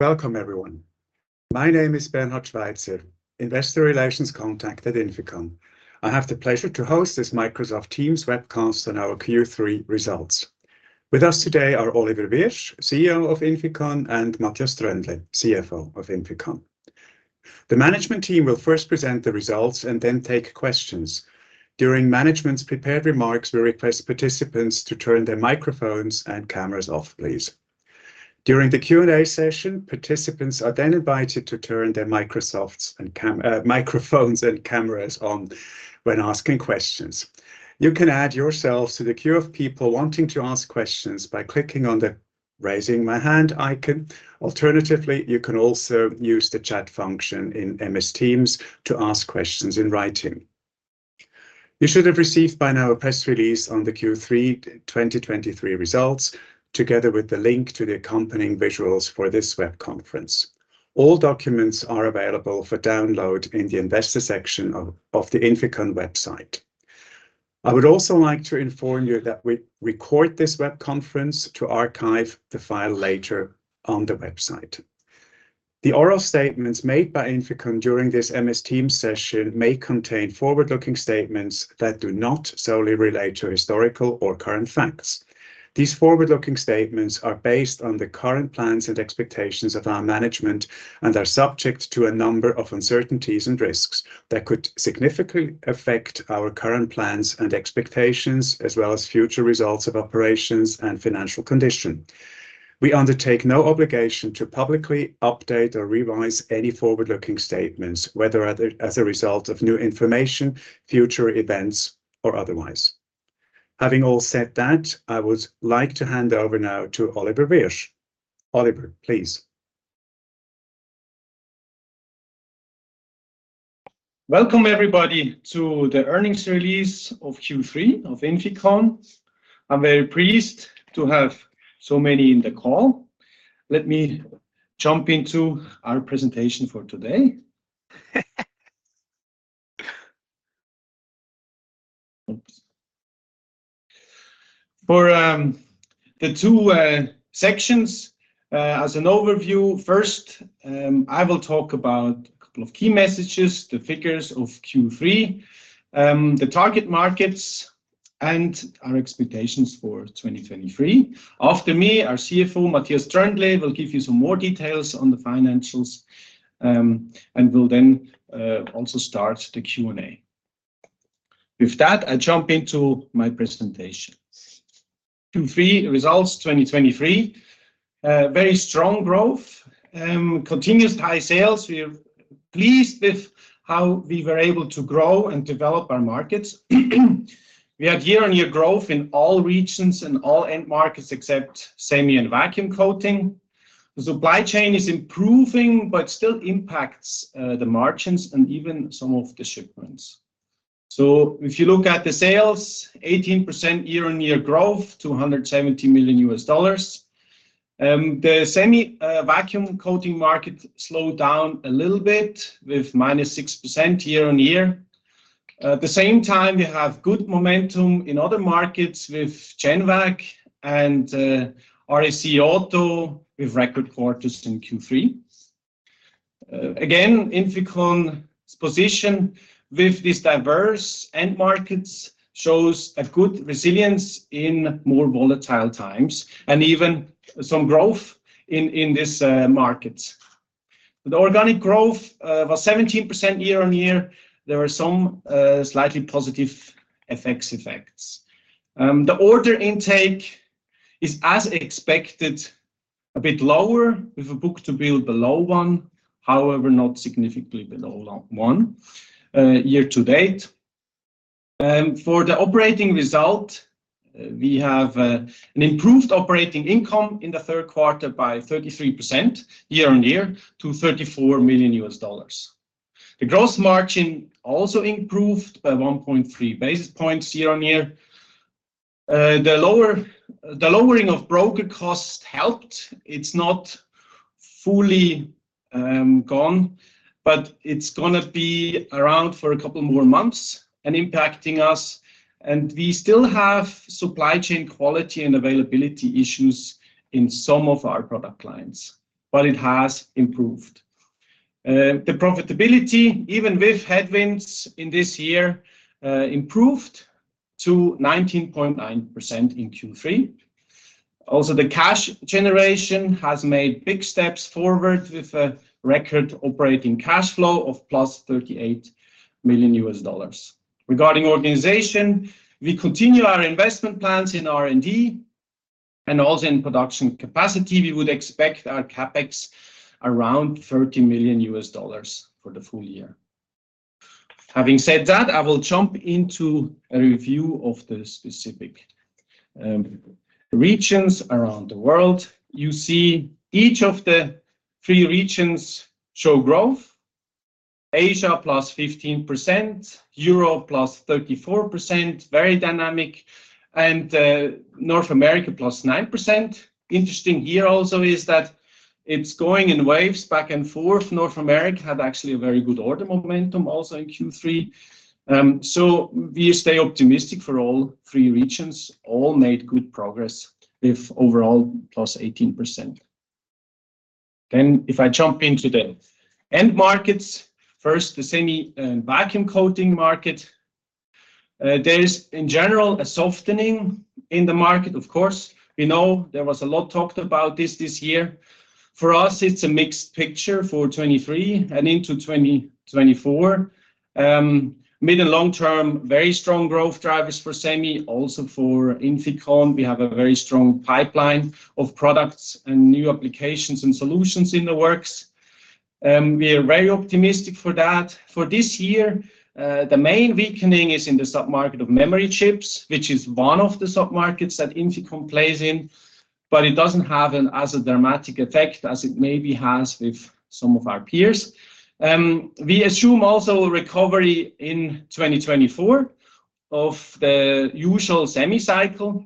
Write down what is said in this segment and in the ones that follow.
Welcome everyone. My name is Bernhard Schweizer, investor relations contact at INFICON. I have the pleasure to host this Microsoft Teams webcast on our Q3 results. With us today are Oliver Wyrsch, CEO of INFICON, and Matthias Tröndle, CFO of INFICON. The management team will first present the results and then take questions. During management's prepared remarks, we request participants to turn their microphones and cameras off, please. During the Q&A session, participants are then invited to turn their microphones and cameras on when asking questions. You can add yourselves to the queue of people wanting to ask questions by clicking on the Raising My Hand icon. Alternatively, you can also use the chat function in MS Teams to ask questions in writing. You should have received by now a press release on the Q3 2023 results, together with the link to the accompanying visuals for this web conference. All documents are available for download in the investor section of the INFICON website. I would also like to inform you that we record this web conference to archive the file later on the website. The oral statements made by INFICON during this MS Teams session may contain forward-looking statements that do not solely relate to historical or current facts. These forward-looking statements are based on the current plans and expectations of our management, and are subject to a number of uncertainties and risks that could significantly affect our current plans and expectations, as well as future results of operations and financial condition. We undertake no obligation to publicly update or revise any forward-looking statements, whether as a result of new information, future events, or otherwise. Having said all that, I would like to hand over now to Oliver Wyrsch. Oliver, please. Welcome, everybody, to the earnings release of Q3 of INFICON. I'm very pleased to have so many in the call. Let me jump into our presentation for today. For the two sections, as an overview, first, I will talk about a couple of key messages, the figures of Q3, the target markets, and our expectations for 2023. After me, our CFO, Matthias Tröndle, will give you some more details on the financials, and we'll then also start the Q&A. With that, I jump into my presentation. Q3 results 2023. Very strong growth, continuous high sales. We are pleased with how we were able to grow and develop our markets. We had year-on-year growth in all regions and all end markets, except Semi and vacuum coating. The supply chain is improving, but still impacts the margins and even some of the shipments. So if you look at the sales, 18% year-on-year growth to $170 million. The Semi Vacuum coating market slowed down a little bit, with -6% year-on-year. At the same time, we have good momentum in other markets with GenVac and RAC Auto, with record quarters in Q3. Again, INFICON's position with these diverse end markets shows a good resilience in more volatile times, and even some growth in this market. The organic growth was 17% year-on-year. There were some slightly positive FX effects. The order intake is, as expected, a bit lower, with a book-to-bill below one, however, not significantly below one year-to-date. For the operating result, we have an improved operating income in the Q3 by 33% year-on-year to $34 million. The gross margin also improved by 1.3 basis points year-on-year. The lowering of broker costs helped. It's not fully gone, but it's gonna be around for a couple more months and impacting us, and we still have supply chain quality and availability issues in some of our product lines, but it has improved. The profitability, even with headwinds in this year, improved to 19.9% in Q3. Also, the cash generation has made big steps forward, with a record operating cash flow of +$38 million. Regarding organization, we continue our investment plans in R&D and also in production capacity. We would expect our CapEx around $30 million for the full year. Having said that, I will jump into a review of the specific regions around the world. You see each of the three regions show growth. Asia, plus 15%. Europe, plus 34%, very dynamic. And North America, plus 9%. Interesting here also is that it's going in waves back and forth. North America had actually a very good order momentum also in Q3. So we stay optimistic for all three regions. All made good progress, with overall plus 18%. Then if I jump into the end markets, first, the semi and vacuum coating market. There is, in general, a softening in the market. Of course, we know there was a lot talked about this this year. For us, it's a mixed picture for 2023 and into 2024. Mid and long term, very strong growth drivers for Semi, also for INFICON, we have a very strong pipeline of products and new applications and solutions in the works, and we are very optimistic for that. For this year, the main weakening is in the sub-market of memory chips, which is one of the sub-markets that INFICON plays in, but it doesn't have an as a dramatic effect as it maybe has with some of our peers. We assume also a recovery in 2024 of the usual semi cycle.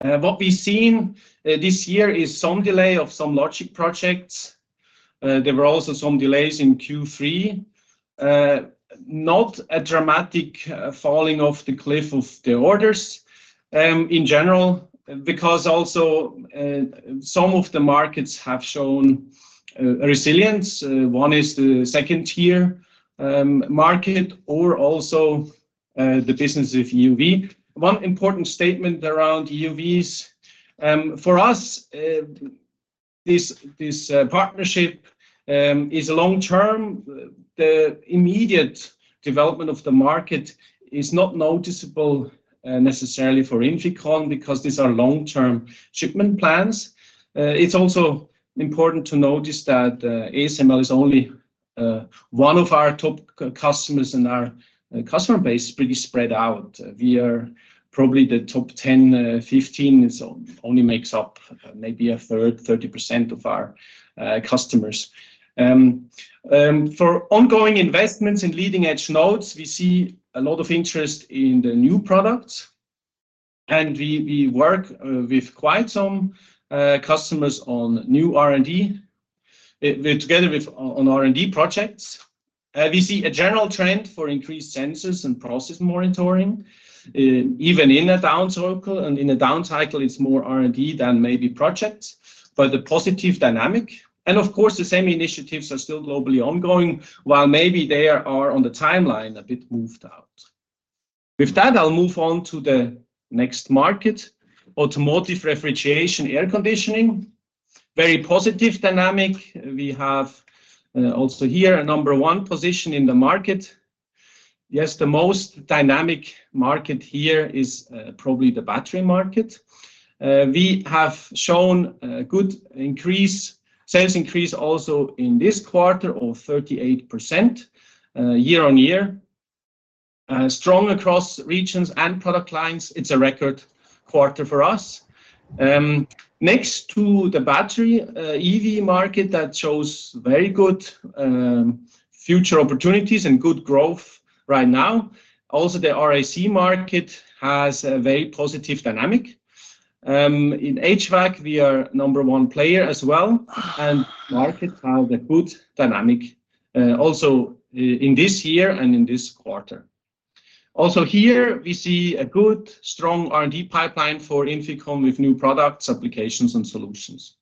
What we've seen this year is some delay of some logic projects. There were also some delays in Q3. Not a dramatic falling off the cliff of the orders, in general, because also some of the markets have shown resilience. One is the second-tier market or also the business with EUV. One important statement around EUVs for us, this partnership is a long term. The immediate development of the market is not noticeable necessarily for INFICON because these are long-term shipment plans. It's also important to notice that ASML is only one of our top customers, and our customer base is pretty spread out. We are probably the top 10, 15, so only makes up maybe a third, 30% of our customers. For ongoing investments in leading-edge nodes, we see a lot of interest in the new products, and we work with quite some customers on new R&D together with on R&D projects. We see a general trend for increased sensors and process monitoring, even in a down cycle, and in a down cycle, it's more R&D than maybe projects, but the positive dynamic. Of course, the same initiatives are still globally ongoing, while maybe they are on the timeline a bit moved out. With that, I'll move on to the next market, automotive, Refrigeration, Air Conditioning. Very positive dynamic. We have, also here, a number one position in the market. Yes, the most dynamic market here is, probably the battery market. We have shown a good increase, sales increase also in this quarter of 38%, year-on-year. Strong across regions and product lines. It's a record quarter for us. Next to the battery, EV market, that shows very good, future opportunities and good growth right now. Also, the RAC market has a very positive dynamic. In HVAC, we are number one player as well, and market have a good dynamic, also in this year and in this quarter. Also here, we see a good, strong R&D pipeline for INFICON with new products, applications, and solutions.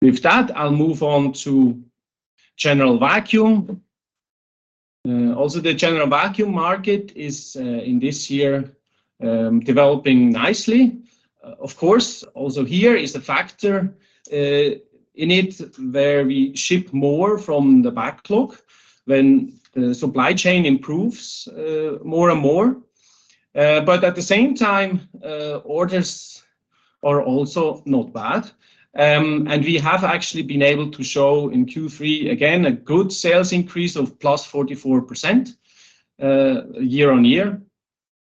With that, I'll move on to General Vacuum. Also, the General Vacuum market is in this year developing nicely. Of course, also here is the factor in it, where we ship more from the backlog when the supply chain improves more and more. But at the same time, orders are also not bad. And we have actually been able to show in Q3, again, a good sales increase of +44%, year-on-year.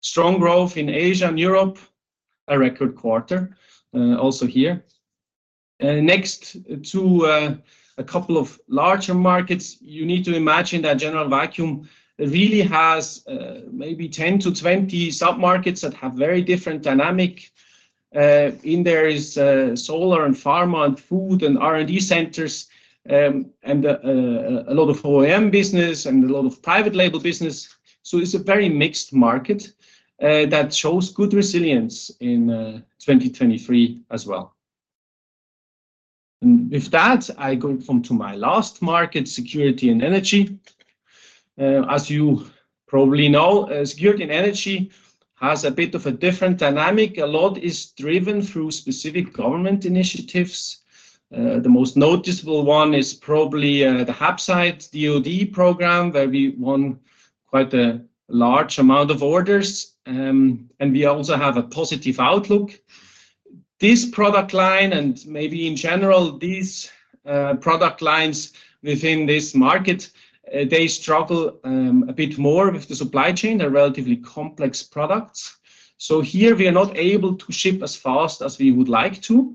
Strong growth in Asia and Europe, a record quarter also here. Next to a couple of larger markets, you need to imagine that General Vacuum really has maybe 10-20 sub-markets that have very different dynamics. In there is solar and pharma and food and R&D centers, and a lot of OEM business and a lot of private label business. So it's a very mixed market that shows good resilience in 2023 as well. And with that, I go on to my last market, Security and Energy. As you probably know, Security and Energy has a bit of a different dynamic. A lot is driven through specific government initiatives. The most noticeable one is probably the HAPSITE DoD program, where we won quite a large amount of orders, and we also have a positive outlook. This product line, and maybe in general, these product lines within this market, they struggle a bit more with the supply chain. They're relatively complex products. So here we are not able to ship as fast as we would like to,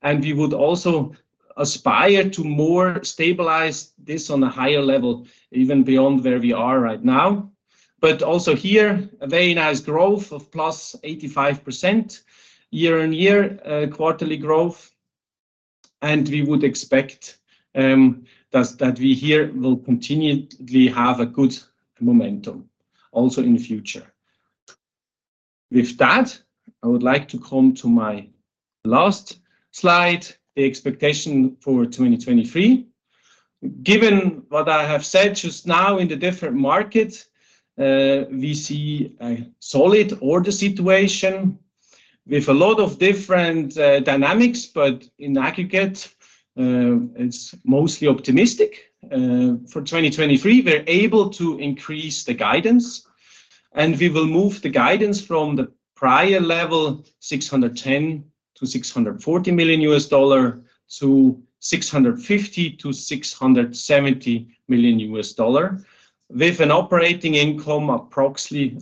and we would also aspire to more stabilize this on a higher level, even beyond where we are right now. But also here, a very nice growth of +85% year-on-year, quarterly growth. And we would expect that we here will continually have a good momentum also in the future. With that, I would like to come to my last slide, the expectation for 2023. Given what I have said just now in the different markets, we see a solid order situation with a lot of different dynamics, but in aggregate, it's mostly optimistic. For 2023, we're able to increase the guidance, and we will move the guidance from the prior level, $610 million-$640 million, to $650 million-$670 million, with an operating income approximately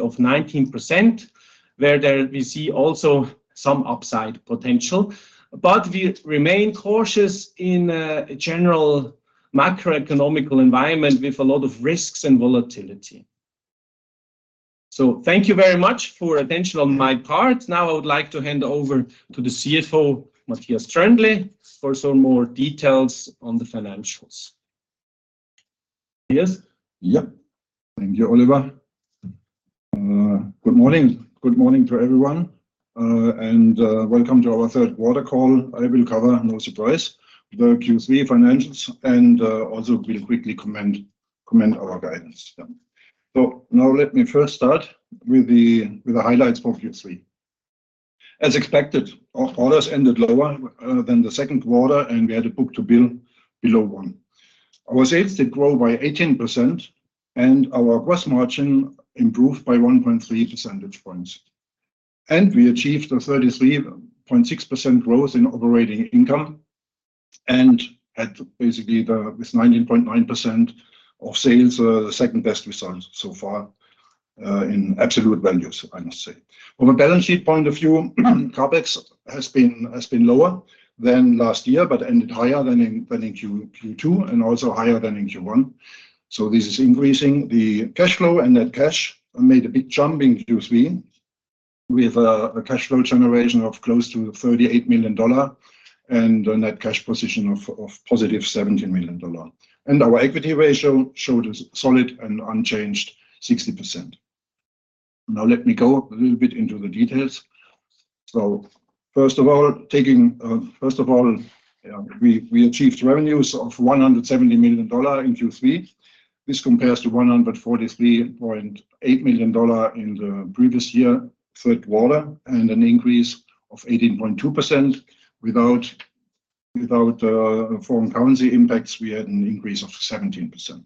of 19%, where there we see also some upside potential. But we remain cautious in a general macroeconomic environment with a lot of risks and volatility. So thank you very much for attention on my part. Now I would like to hand over to the CFO, Matthias Tröndle, for some more details on the financials. Matthias? Yep. Thank you, Oliver. Good morning. Good morning to everyone, and welcome to our Q3 call. I will cover, no surprise, the Q3 financials, and also will quickly comment our guidance. So now let me first start with the highlights for Q3. As expected, our orders ended lower than the Q2, and we had a book-to-bill below 1. Our sales did grow by 18%, and our gross margin improved by 1.3 percentage points. And we achieved a 33.6% growth in operating income and had basically with 19.9% of sales the second best results so far in absolute values, I must say. From a balance sheet point of view, CapEx has been lower than last year, but ended higher than in Q2 and also higher than in Q1. So this is increasing the cash flow, and net cash made a big jump in Q3, with a cash flow generation of close to $38 million and a net cash position of positive $17 million. Our equity ratio showed a solid and unchanged 60%. Now let me go a little bit into the details. First of all, we achieved revenues of $170 million in Q3. This compares to $143.8 million in the previous year, Q3, and an increase of 18.2%. Without foreign currency impacts, we had an increase of 17%.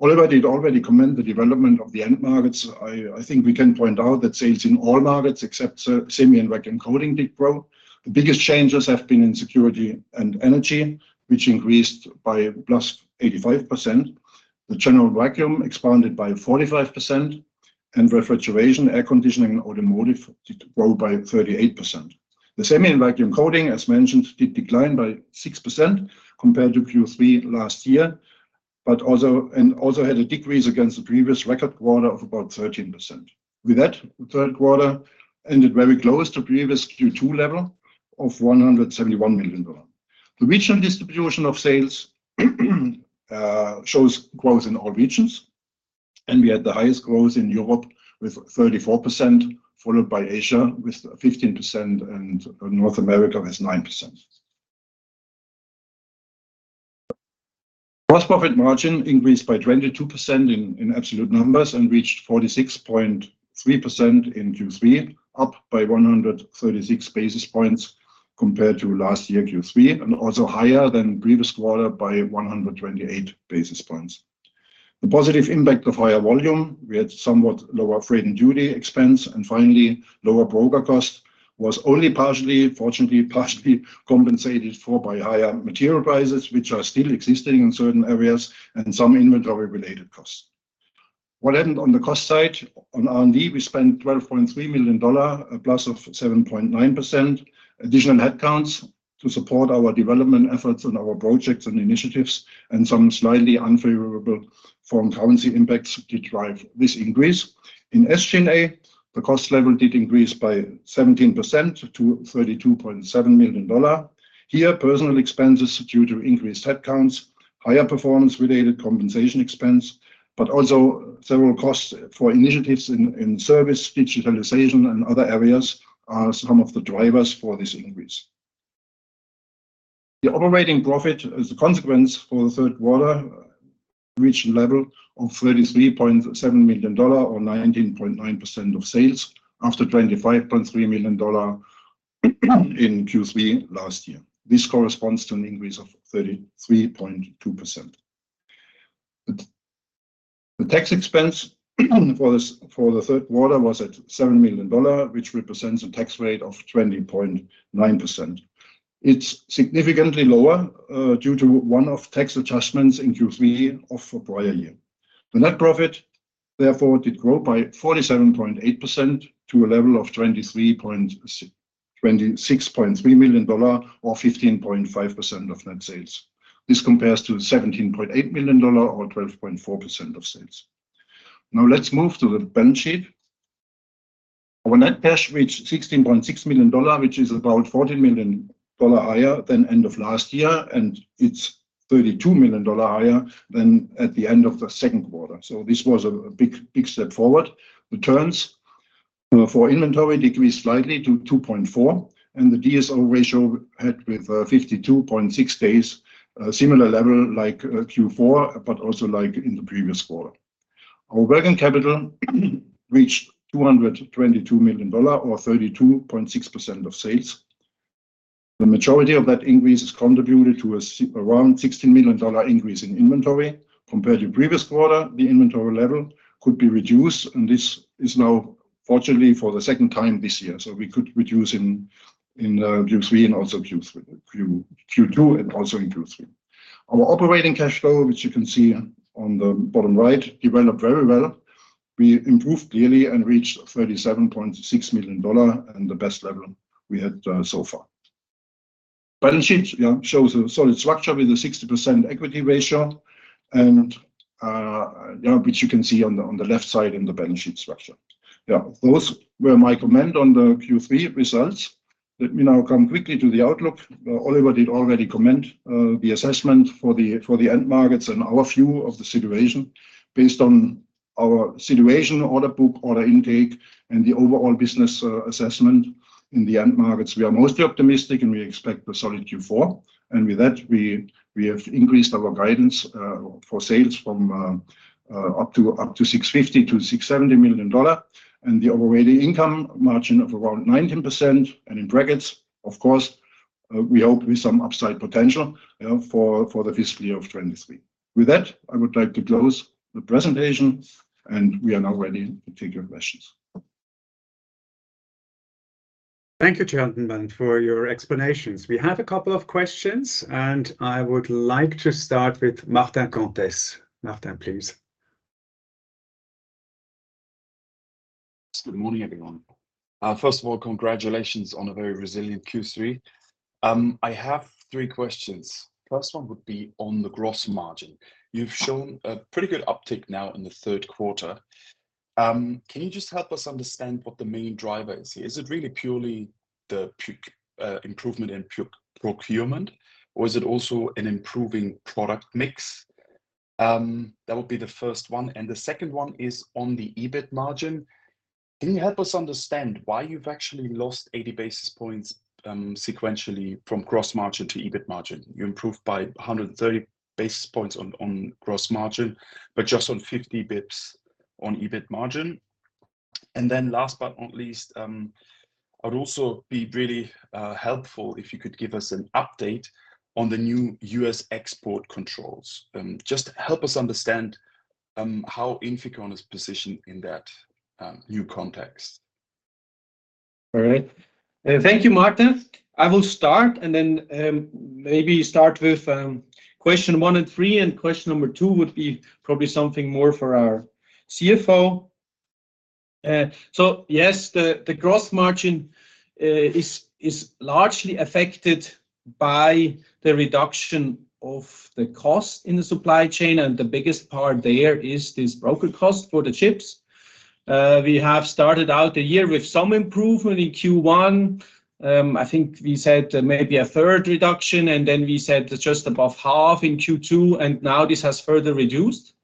Oliver did already comment the development of the end markets. I think we can point out that sales in all markets except Semi and Vacuum Coating did grow. The biggest changes have been in Security and Energy, which increased by +85%. The General Vacuum expanded by +45%, and Refrigeration, Air Conditioning, and Automotive did grow by +38%. The Semi and Vacuum Coating, as mentioned, did decline by -6% compared to Q3 last year, but also and also had a decrease against the previous record quarter of about -13%. With that, the Q3 ended very close to previous Q2 level of $171 million. The regional distribution of sales shows growth in all regions, and we had the highest growth in Europe with 34%, followed by Asia with 15% and North America with 9%. Gross profit margin increased by 22% in absolute numbers and reached 46.3% in Q3, up by 136 basis points compared to last year, Q3, and also higher than previous quarter by 128 basis points. The positive impact of higher volume, we had somewhat lower freight and duty expense, and finally, lower broker cost, was only partially, fortunately, partially compensated for by higher material prices, which are still existing in certain areas and some inventory-related costs. What happened on the cost side? On R&D, we spent $12.3 million, a plus of 7.9%. Additional headcounts to support our development efforts on our projects and initiatives and some slightly unfavorable foreign currency impacts did drive this increase. In SG&A, the cost level did increase by 17% to $32.7 million. Here, personal expenses due to increased headcounts, higher performance-related compensation expense, but also several costs for initiatives in service, digitalization, and other areas are some of the drivers for this increase. The operating profit, as a consequence for the Q3, reached a level of $33.7 million, or 19.9% of sales, after $25.3 million in Q3 last year. This corresponds to an increase of 33.2%. The tax expense, for this, for the Q3 was at $7 million, which represents a tax rate of 20.9%. It's significantly lower due to one-off tax adjustments in Q3 of the prior year. The net profit, therefore, did grow by 47.8% to a level of 23... 26.3 million dollar, or 15.5% of net sales. This compares to 17.8 million dollar, or 12.4% of sales. Now let's move to the balance sheet. Our net cash reached $16.6 million, which is about $14 million higher than end of last year, and it's $32 million higher than at the end of the Q2. So this was a big, big step forward. Returns for inventory decreased slightly to 2.4, and the DSO ratio had with 52.6 days, a similar level like Q4, but also like in the previous quarter. Our working capital reached $222 million, or 32.6% of sales. The majority of that increase is contributed to around $16 million increase in inventory. Compared to previous quarter, the inventory level could be reduced, and this is now fortunately for the second time this year. So we could reduce in Q3 and also Q2 and also in Q3. Our operating cash flow, which you can see on the bottom right, developed very well. We improved clearly and reached $37.6 million and the best level we had so far. Balance sheet shows a solid structure with a 60% equity ratio, and yeah, which you can see on the left side in the balance sheet structure. Yeah, those were my comment on the Q3 results. Let me now come quickly to the outlook. Oliver did already comment the assessment for the end markets and our view of the situation. Based on our situation, order book, order intake, and the overall business assessment in the end markets, we are mostly optimistic, and we expect a solid Q4. With that, we have increased our guidance for sales from up to $650 million to $670 million, and the overall income margin of around 19%, and in brackets, of course, we hope with some upside potential for the fiscal year of 2023. With that, I would like to close the presentation, and we are now ready to take your questions. Thank you, gentlemen, for your explanations. We have a couple of questions, and I would like to start with Martin Comtesse. Martin, please. Good morning, everyone. First of all, congratulations on a very resilient Q3. I have three questions. First one would be on the gross margin. You've shown a pretty good uptick now in the Q3. Can you just help us understand what the main driver is here? Is it really purely the improvement in procurement, or is it also an improving product mix? That would be the first one, and the second one is on the EBIT margin. Can you help us understand why you've actually lost 80 basis points, sequentially from gross margin to EBIT margin? You improved by 130 basis points on gross margin, but just on 50 basis points on EBIT margin. Last but not least, it would also be really helpful if you could give us an update on the new U.S. export controls. Just help us understand how INFICON is positioned in that new context. All right. Thank you, Martin. I will start, and then maybe start with question one and three, and question number two would be probably something more for our CFO. So yes, the gross margin is largely affected by the reduction of the cost in the supply chain, and the biggest part there is this broker cost for the chips. We have started out the year with some improvement in Q1. I think we said maybe a third reduction, and then we said just above half in Q2, and now this has further reduced.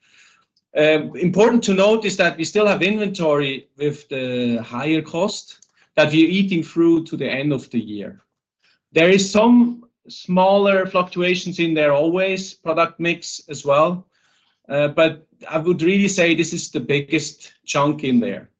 Important to note is that we still have inventory with the higher cost that we're eating through to the end of the year. There is some smaller fluctuations in there always, product mix as well, but I would really say this is the biggest chunk in there.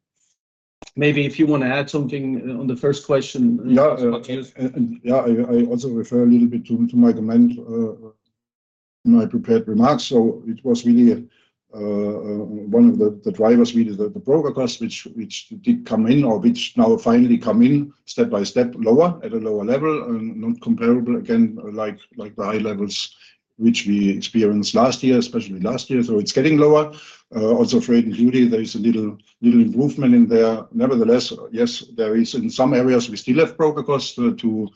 Maybe if you want to add something on the first question- Yeah. Matthias. I also refer a little bit to my comment in my prepared remarks. So it was really one of the drivers, really, the broker cost, which did come in, or which now finally come in step by step, lower, at a lower level and not comparable, again, like the high levels which we experienced last year, especially last year. So it's getting lower. Also freight and duty, there is a little improvement in there. Nevertheless, yes, there is in some areas we still have broker cost to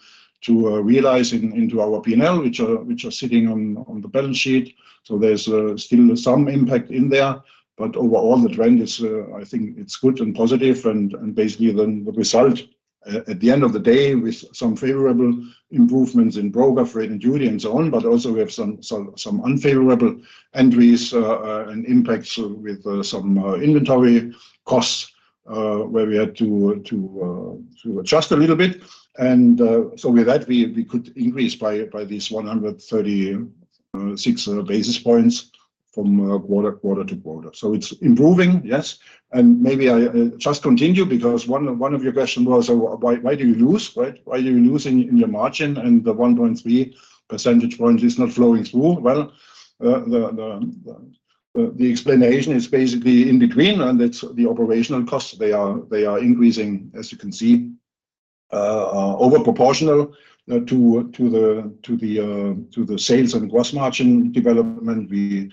realize into our PNL, which are sitting on the balance sheet, so there's still some impact in there. But overall, the trend is, I think it's good and positive and basically then the result at the end of the day, with some favorable improvements in broker, freight, and duty, and so on, but also we have some unfavorable entries and impacts with some inventory costs, where we had to adjust a little bit. So with that, we could increase by these 136 basis points from quarter-to-quarter. So it's improving, yes, and maybe I just continue, because one of your question was, why do you lose, right? Why are you losing in your margin, and the 1.3 percentage point is not flowing through? Well, the explanation is basically in the green, and it's the operational costs. They are increasing, as you can see, over proportional to the sales and gross margin development.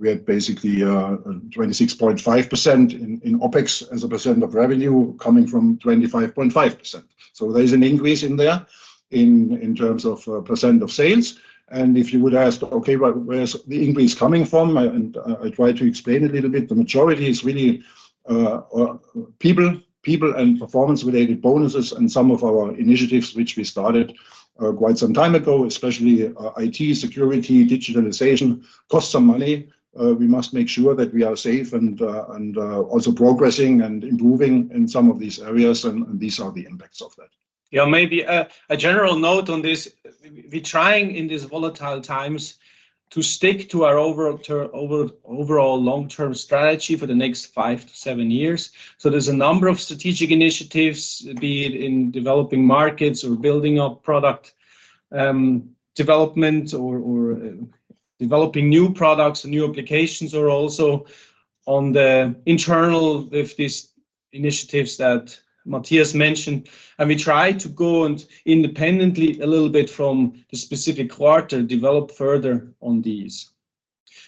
We had basically 26.5% in OpEx, as a % of revenue, coming from 25.5%... so there is an increase in there in terms of % of sales. And if you would ask, okay, well, where's the increase coming from? I try to explain a little bit. The majority is really people and performance-related bonuses and some of our initiatives, which we started quite some time ago, especially IT security, digitalization, cost some money. We must make sure that we are safe and, and, also progressing and improving in some of these areas, and, and these are the impacts of that. Yeah, maybe a general note on this. We're trying in these volatile times to stick to our overall long-term strategy for the next five to seven years. So there's a number of strategic initiatives, be it in developing markets or building up product development or developing new products and new applications are also on the internal with these initiatives that Matthias mentioned. And we try to go and independently a little bit from the specific quarter, develop further on these.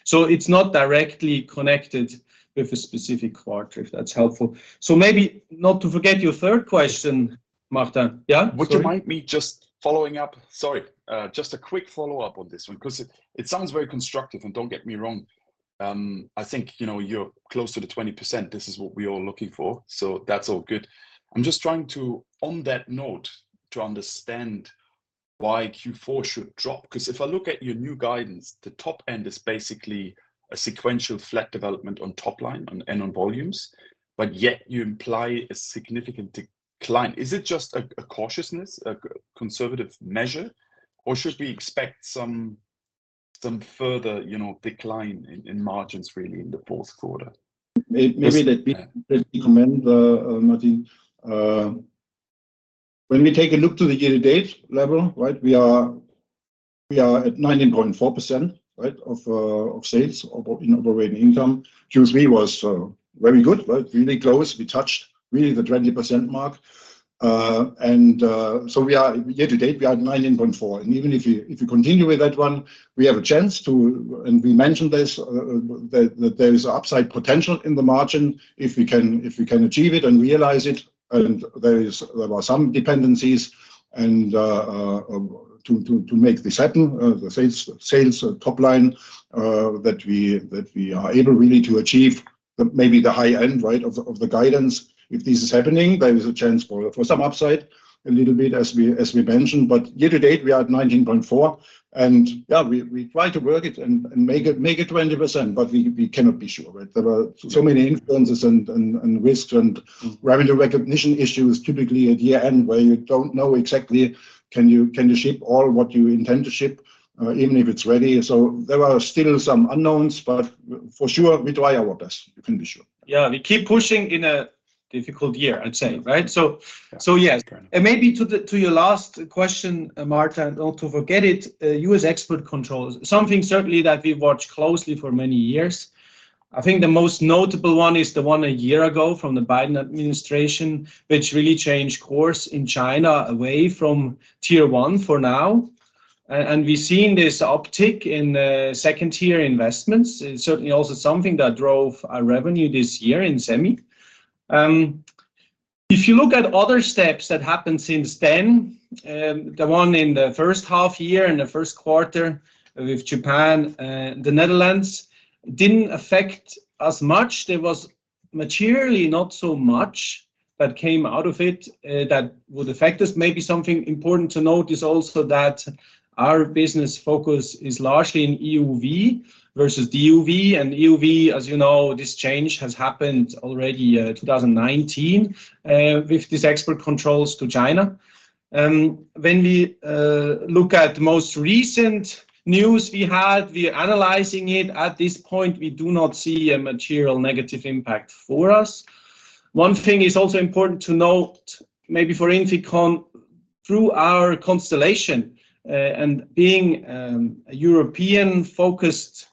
So it's not directly connected with a specific quarter, if that's helpful. So maybe not to forget your third question, Martin. Yeah? Would you mind me just following up? Sorry, just a quick follow-up on this one, 'cause it, it sounds very constructive, and don't get me wrong. I think you're close to the 20%. This is what we all looking for, so that's all good. I'm just trying to, on that note, to understand why Q4 should drop. 'Cause if I look at your new guidance, the top end is basically a sequential flat development on top line and, and on volumes, but yet you imply a significant decline. Is it just a, a cautiousness, a conservative measure, or should we expect some, some further decline in, in margins really in the Q4? Maybe let me recommend, Martin. When we take a look to the year-to-date level, right? We are at 19.4%, right, of sales or in operating income. Q3 was very good, right? Really close. We touched really the 20% mark. And so we are year to date at 19.4%, and even if you continue with that one, we have a chance to, and we mentioned this, that there is upside potential in the margin if we can achieve it and realize it. There are some dependencies and, to make this happen, the sales top line that we are able really to achieve maybe the high end, right, of the guidance. If this is happening, there is a chance for some upside a little bit, as we mentioned, but year to date, we are at 19.4%. Yeah, we try to work it and make it 20%, but we cannot be sure, right? There are so many influences and risk and revenue recognition issues typically at year-end, where you don't know exactly can you ship all what you intend to ship, even if it's ready. There are still some unknowns, but for sure, we try our best, you can be sure. Yeah, we keep pushing in a difficult year, I'd say, right? So, so yeah. Yeah. And maybe to the, to your last question, Martin, not to forget it, U.S. export controls. Something certainly that we've watched closely for many years. I think the most notable one is the one a year ago from the Biden administration, which really changed course in China, away from Tier one for now. And we've seen this uptick in second-tier investments. It's certainly also something that drove our revenue this year in Semi. If you look at other steps that happened since then, the one in the first half year, in the Q1 with Japan and the Netherlands, didn't affect us much. There was materially not so much that came out of it, that would affect us. Maybe something important to note is also that our business focus is largely in EUV versus DUV. EUV this change has happened already, 2019, with these export controls to China. When we look at most recent news we had, we're analyzing it. At this point, we do not see a material negative impact for us. One thing is also important to note, maybe for INFICON, through our constellation, and being, a European-focused,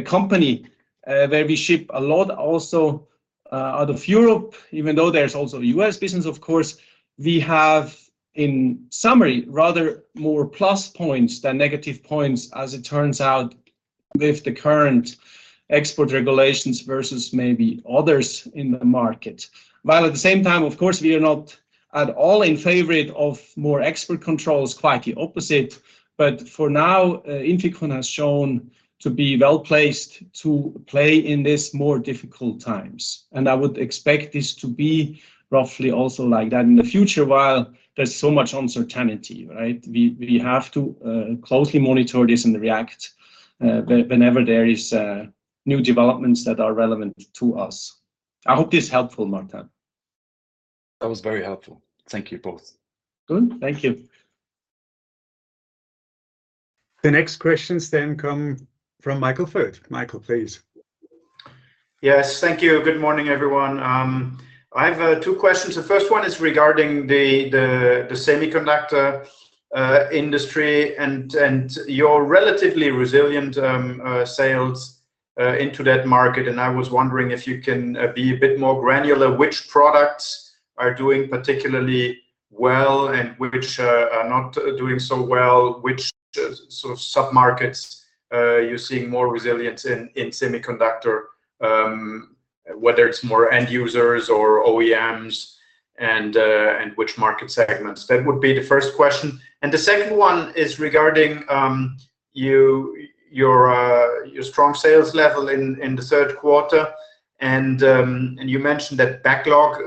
company, where we ship a lot also, out of Europe, even though there's also U.S. business, of course, we have, in summary, rather more plus points than negative points as it turns out with the current export regulations versus maybe others in the market. While at the same time, of course, we are not at all in favor of more export controls, quite the opposite, but for now, INFICON has shown to be well-placed to play in this more difficult times. And I would expect this to be roughly also like that in the future, while there's so much uncertainty, right? We have to closely monitor this and react, whenever there is new developments that are relevant to us. I hope this helpful, Martin. That was very helpful. Thank you both. Good. Thank you. The next questions then come from Michael Foeth. Michael, please. Yes. Thank you. Good morning, everyone. I have two questions. The first one is regarding the semiconductor industry and your relatively resilient sales into that market, and I was wondering if you can be a bit more granular, which products are doing particularly well and which are not doing so well? Which sort of sub-markets you're seeing more resilience in in semiconductor whether it's more end users or OEMs and which market segments? That would be the first question. The second one is regarding your strong sales level in the Q3. You mentioned that backlog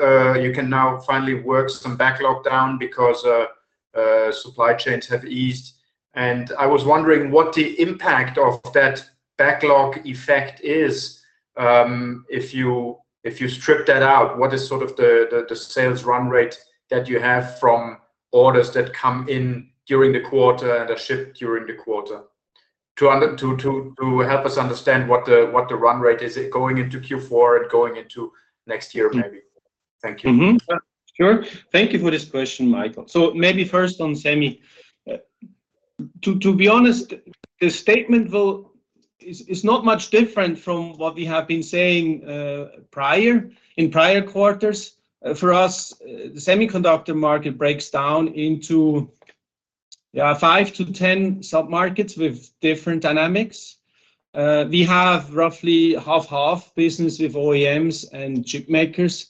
you can now finally work some backlog down because supply chains have eased. I was wondering what the impact of that backlog effect is, if you strip that out, what is sort of the sales run rate that you have from orders that come in during the quarter and are shipped during the quarter? To help us understand what the run rate is going into Q4 and going into next year maybe. Thank you. Mm-hmm. Sure. Thank you for this question, Michael. So maybe first on semi. To be honest, the statement though is not much different from what we have been saying prior, in prior quarters. For us, the semiconductor market breaks down into 5-10 sub-markets with different dynamics. We have roughly 50/50 business with OEMs and chip makers.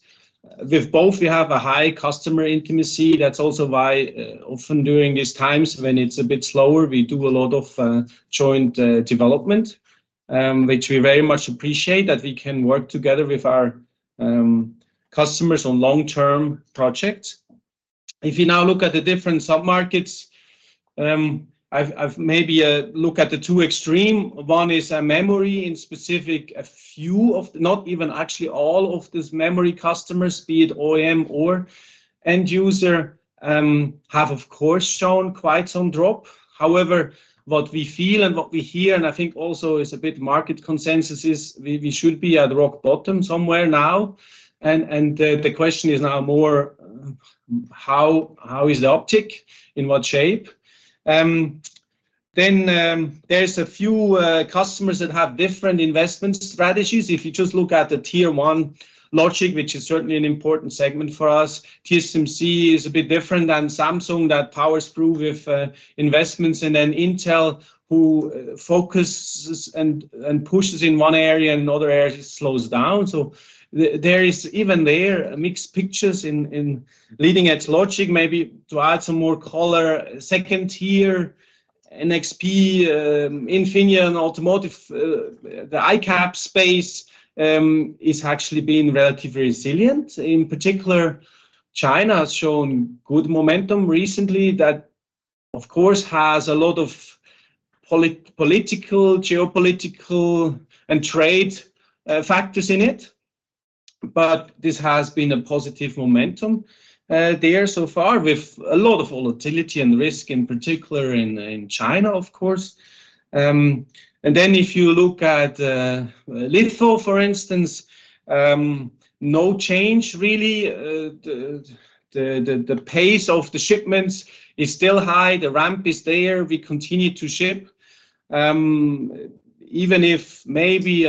With both, we have a high customer intimacy. That's also why, often during these times when it's a bit slower, we do a lot of joint development, which we very much appreciate, that we can work together with our customers on long-term projects. If you now look at the different sub-markets, I've maybe look at the two extreme. One is, memory, in specific, a few of- not even actually all of these memory customers, be it OEM or end user, have of course shown quite some drop. However, what we feel and what we hear, and I think also is a bit market consensus, is we, we should be at rock bottom somewhere now. The question is now more, how is the optic? In what shape? Then, there's a few customers that have different investment strategies. If you just look at the Tier one logic, which is certainly an important segment for us, TSMC is a bit different than Samsung, that powers through with investments. And then Intel, who focuses and pushes in one area, and another area just slows down. So there is even there, a mixed pictures in leading-edge logic. Maybe to add some more color, second-tier, NXP, Infineon Automotive, the ICAP space, is actually been relatively resilient. In particular, China has shown good momentum recently. That, of course, has a lot of political, geopolitical, and trade factors in it, but this has been a positive momentum there so far, with a lot of volatility and risk, in particular in China, of course. And then if you look at litho, for instance, no change really. The pace of the shipments is still high. The ramp is there. We continue to ship. Even if maybe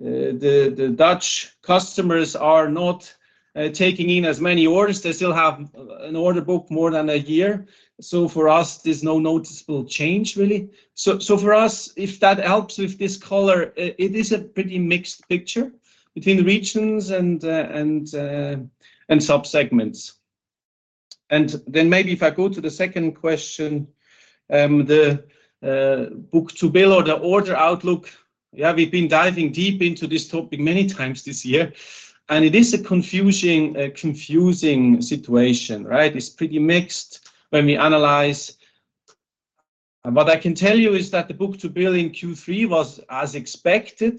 the Dutch customers are not taking in as many orders, they still have an order book more than a year. So for us, there's no noticeable change really. So for us, if that helps with this color, it is a pretty mixed picture between the regions and and sub-segments. Then maybe if I go to the second question, the book-to-bill or the order outlook, yeah, we've been diving deep into this topic many times this year, and it is a confusing situation, right? It's pretty mixed when we analyze. What I can tell you is that the book-to-bill in Q3 was, as expected,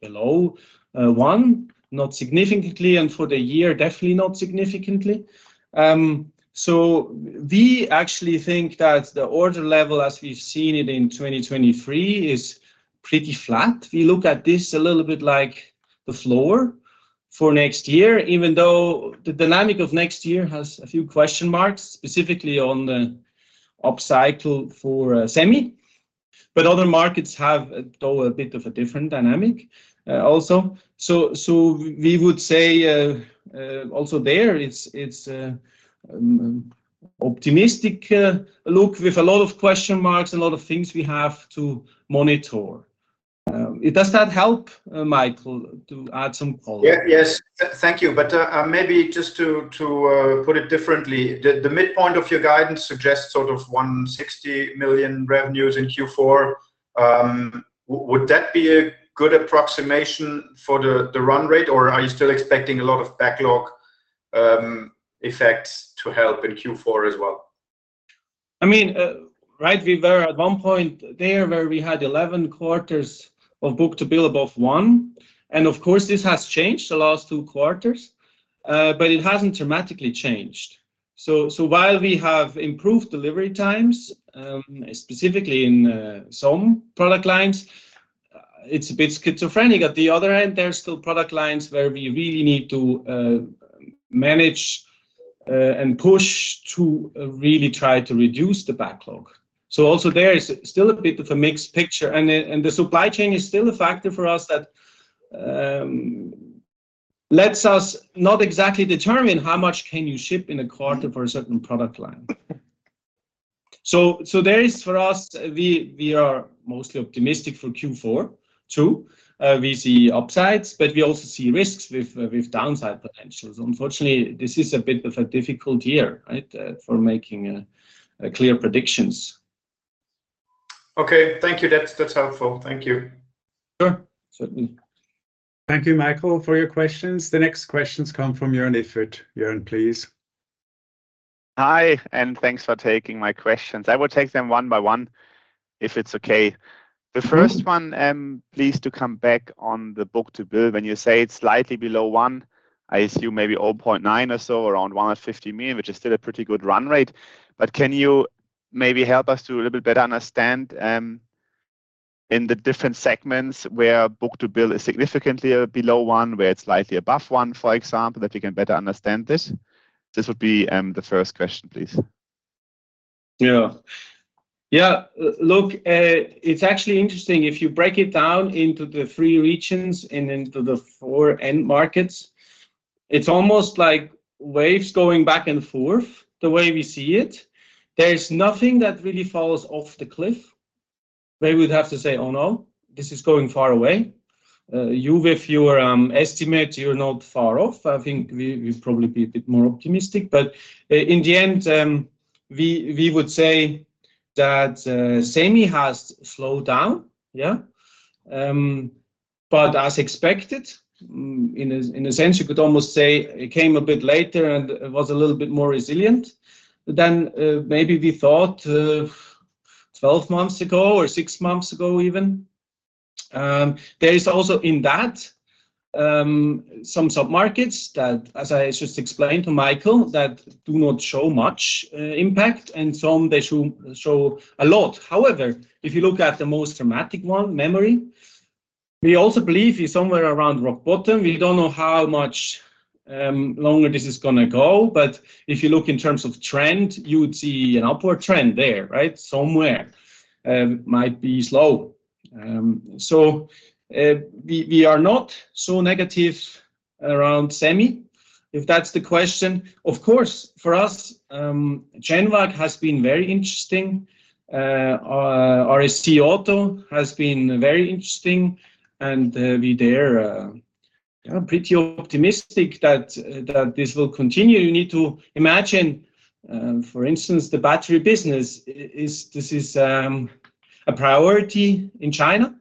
below 1, not significantly, and for the year, definitely not significantly. So we actually think that the order level, as we've seen it in 2023, is pretty flat. We look at this a little bit like the floor for next year, even though the dynamic of next year has a few question marks, specifically on the upcycle for semi. But other markets have, though, a bit of a different dynamic, also. So we would say also there, it's optimistic look with a lot of question marks and a lot of things we have to monitor. Does that help, Michael, to add some color? Yeah. Yes, thank you. But maybe just to put it differently, the midpoint of your guidance suggests sort of $160 million revenues in Q4. Would that be a good approximation for the run rate, or are you still expecting a lot of backlog effects to help in Q4 as well? I mean, right, we were at one point there where we had Q11 of book-to-bill above 1, and of course, this has changed the last Q2, but it hasn't dramatically changed. So while we have improved delivery times, specifically in some product lines, it's a bit schizophrenic. At the other end, there are still product lines where we really need to manage and push to really try to reduce the backlog. So also there is still a bit of a mixed picture, and the supply chain is still a factor for us that lets us not exactly determine how much can you ship in a quarter for a certain product line. So there is for us, we are mostly optimistic for Q4, too. We see upsides, but we also see risks with downside potentials. Unfortunately, this is a bit of a difficult year, right, for making clear predictions. Okay, thank you. That's, that's helpful. Thank you. Sure. Certainly. Thank you, Michael, for your questions. The next questions come from Jörn Iffert. Jörn, please. Hi, and thanks for taking my questions. I will take them one by one, if it's okay. Mm-hmm. The first one, please, to come back on the book-to-bill. When you say it's slightly below one, I assume maybe 0.9 or so, around $150 million, which is still a pretty good run rate. But can you maybe help us to a little bit better understand, in the different segments where book-to-bill is significantly below one, where it's slightly above one, for example, that we can better understand this? This would be, the first question, please. Yeah. Yeah, look, it's actually interesting. If you break it down into the three regions and into the four end markets, it's almost like waves going back and forth, the way we see it. There is nothing that really falls off the cliff, where we'd have to say, "Oh, no, this is going far away." You with your estimate, you're not far off. I think we, we'd probably be a bit more optimistic. But in the end, we would say that, semi has slowed down, yeah? But as expected. In a sense, you could almost say it came a bit later, and it was a little bit more resilient than maybe we thought, 12 months ago or 6 months ago, even. There is also in that, some submarkets that, as I just explained to Michael, that do not show much impact, and some they show a lot. However, if you look at the most dramatic one, memory, we also believe it's somewhere around rock bottom. We don't know how much longer this is gonna go, but if you look in terms of trend, you would see an upward trend there, right? Somewhere. Might be slow. So, we are not so negative around semi, if that's the question. Of course, for us, GenVac has been very interesting. RAC Auto has been very interesting, and we there are pretty optimistic that this will continue. You need to imagine, for instance, the battery business this is a priority in China.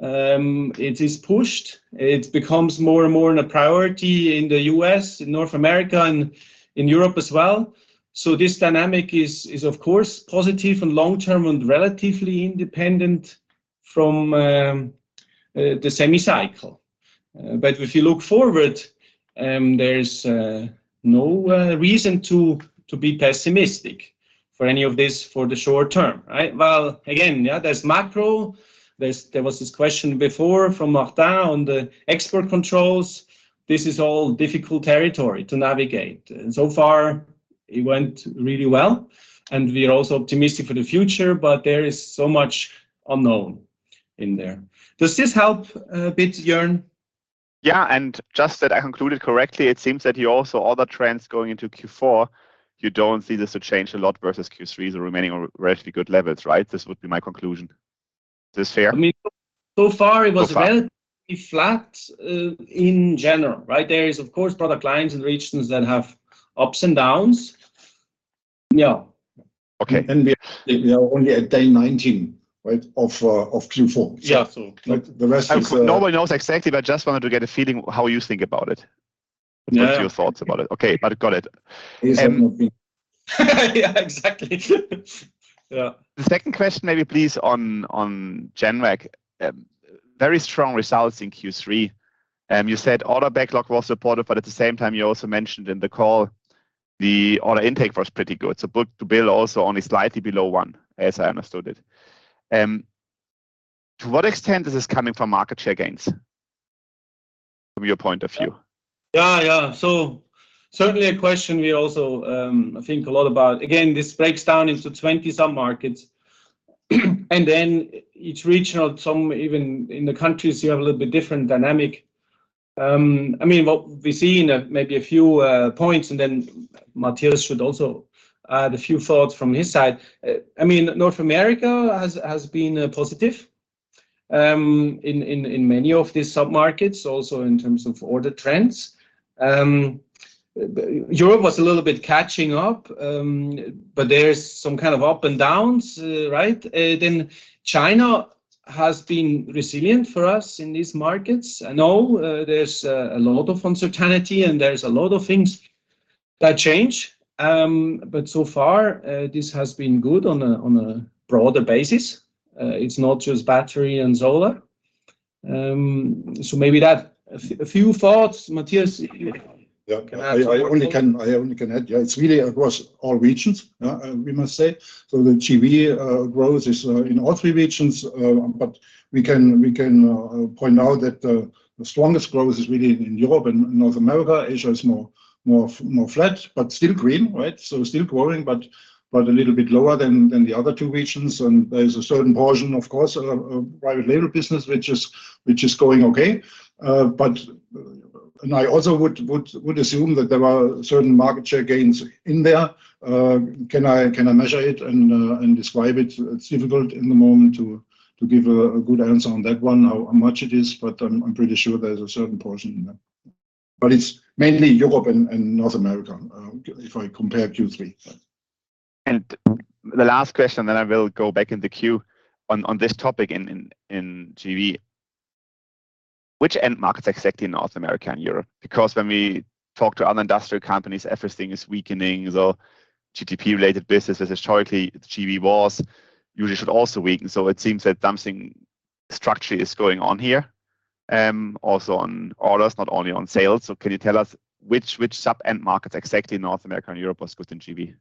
It is pushed. It becomes more and more in a priority in the U.S., in North America, and in Europe as well. So this dynamic is, of course, positive and long-term and relatively independent from the semi cycle. But if you look forward, there's no reason to be pessimistic for any of this for the short term, right? Well, again, yeah, there's macro. There was this question before from Martin on the export controls. This is all difficult territory to navigate, and so far it went really well, and we are also optimistic for the future, but there is so much unknown in there. Does this help a bit, Jörn? Yeah, and just that I concluded correctly, it seems that you also, all the trends going into Q4, you don't see this to change a lot versus Q3, the remaining are relatively good levels, right? This would be my conclusion. Is this fair? I mean, so far it was- So far... relatively flat, in general, right? There is, of course, product lines and regions that have ups and downs. Yeah. Okay. We are only at day 19, right, of Q4. Yeah. So the rest is- Nobody knows exactly, but I just wanted to get a feeling how you think about it. Yeah... what's your thoughts about it? Okay, but got it. Yeah, exactly. Yeah. The second question, maybe please, on GenVac. Very strong results in Q3. You said order backlog was supported, but at the same time you also mentioned in the call the order intake was pretty good. So book-to-bill also only slightly below one, as I understood it. To what extent is this coming from market share gains, from your point of view? Yeah, yeah. So certainly a question we also think a lot about. Again, this breaks down into 20-some markets, and then each region also, some even in the countries, you have a little bit different dynamic. I mean, what we see, maybe a few points, and then Matthias should also add a few thoughts from his side. I mean, North America has been positive in many of these submarkets, also in terms of order trends. Europe was a little bit catching up, but there is some kind of ups and downs, right? Then China has been resilient for us in these markets. I know, there's a lot of uncertainty, and there's a lot of things that change. But so far, this has been good on a broader basis. It's not just battery and solar. So maybe that. A few thoughts, Matthias, you- Yeah. Can I add? I only can add. Yeah, it's really across all regions, we must say. So the GV growth is in all three regions, but we can point out that the strongest growth is really in Europe and North America. Asia is more flat, but still green, right? So still growing, but a little bit lower than the other two regions. And there is a certain portion, of course, of private label business, which is going okay. And I also would assume that there are certain market share gains in there. Can I measure it and describe it? It's difficult in the moment to give a good answer on that one, how much it is, but I'm pretty sure there's a certain portion in there. But it's mainly Europe and North America, if I compare Q3. The last question, then I will go back in the queue, on this topic in GV. Which end markets exactly in North America and Europe? Because when we talk to other industrial companies, everything is weakening. The GTP-related businesses historically, GV was usually should also weaken. So it seems that something structurally is going on here, also on orders, not only on sales. So can you tell us which sub-end markets exactly in North America and Europe was good in GV?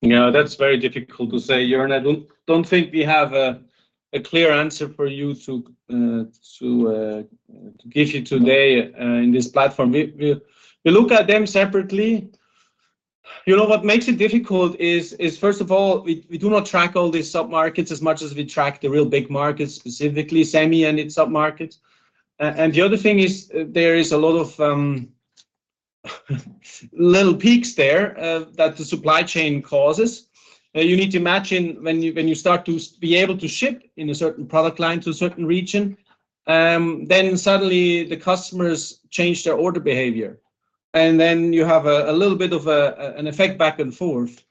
Yeah, that's very difficult to say, Jörn. I don't think we have a clear answer for you to give you today in this platform. We look at them separately. What makes it difficult is first of all, we do not track all these sub-markets as much as we track the real big markets, specifically semi and its sub-markets. And the other thing is there is a lot of little peaks there that the supply chain causes. You need to imagine when you start to be able to ship in a certain product line to a certain region, then suddenly the customers change their order behavior, and then you have a little bit of an effect back and forth.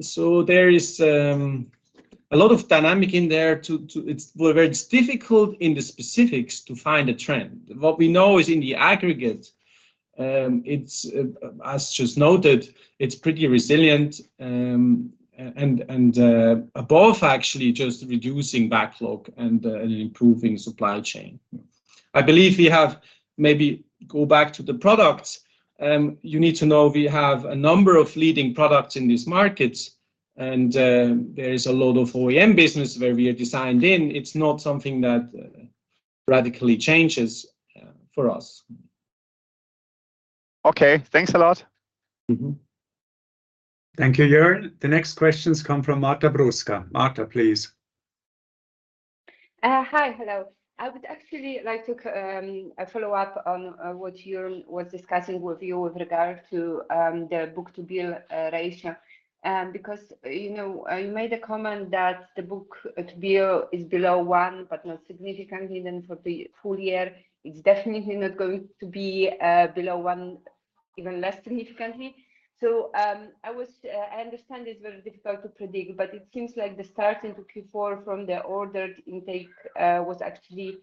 So there is a lot of dynamic in there. Well, where it's difficult in the specifics to find a trend. What we know is in the aggregate, it's, as just noted, it's pretty resilient. And above actually just reducing backlog and improving supply chain. I believe we have maybe go back to the products. You need to know we have a number of leading products in these markets, and there is a lot of OEM business where we are designed in. It's not something that radically changes for us. Okay, thanks a lot. Mm-hmm. Thank you, Jörn. The next questions come from Marta Bruska. Marta, please. Hi. Hello. I would actually like to follow up on what Jörn was discussing with you with regard to the book-to-bill ratio. Because you made a comment that the book-to-bill is below one, but not significantly. Then for the full year, it's definitely not going to be below one, even less significantly. So I was... I understand it's very difficult to predict, but it seems like the start in Q4 from the order intake was actually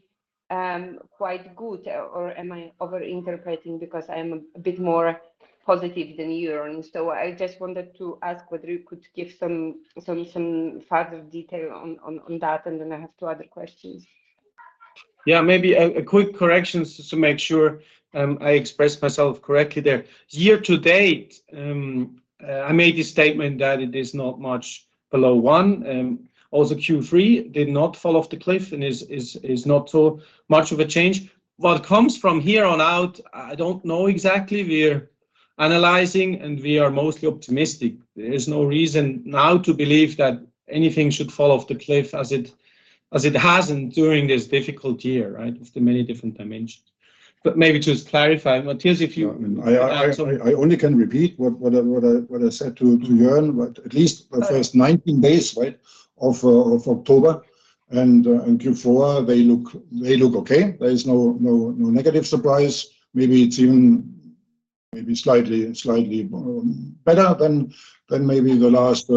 quite good. Or am I overinterpreting? Because I'm a bit more positive than Jörn. So I just wanted to ask whether you could give some further detail on that, and then I have two other questions. Yeah, maybe a quick correction just to make sure I express myself correctly there. Year to date, I made a statement that it is not much below one, also Q3 did not fall off the cliff and is not so much of a change. What comes from here on out, I don't know exactly. We're analyzing, and we are mostly optimistic. There is no reason now to believe that anything should fall off the cliff as it hasn't during this difficult year, right, with the many different dimensions. But maybe just clarify, Matthias, if you- I only can repeat what I said to Jörn, but at least the first 19 days, right, of October and Q4, they look okay. There is no negative surprise. Maybe it's even maybe slightly better than maybe the last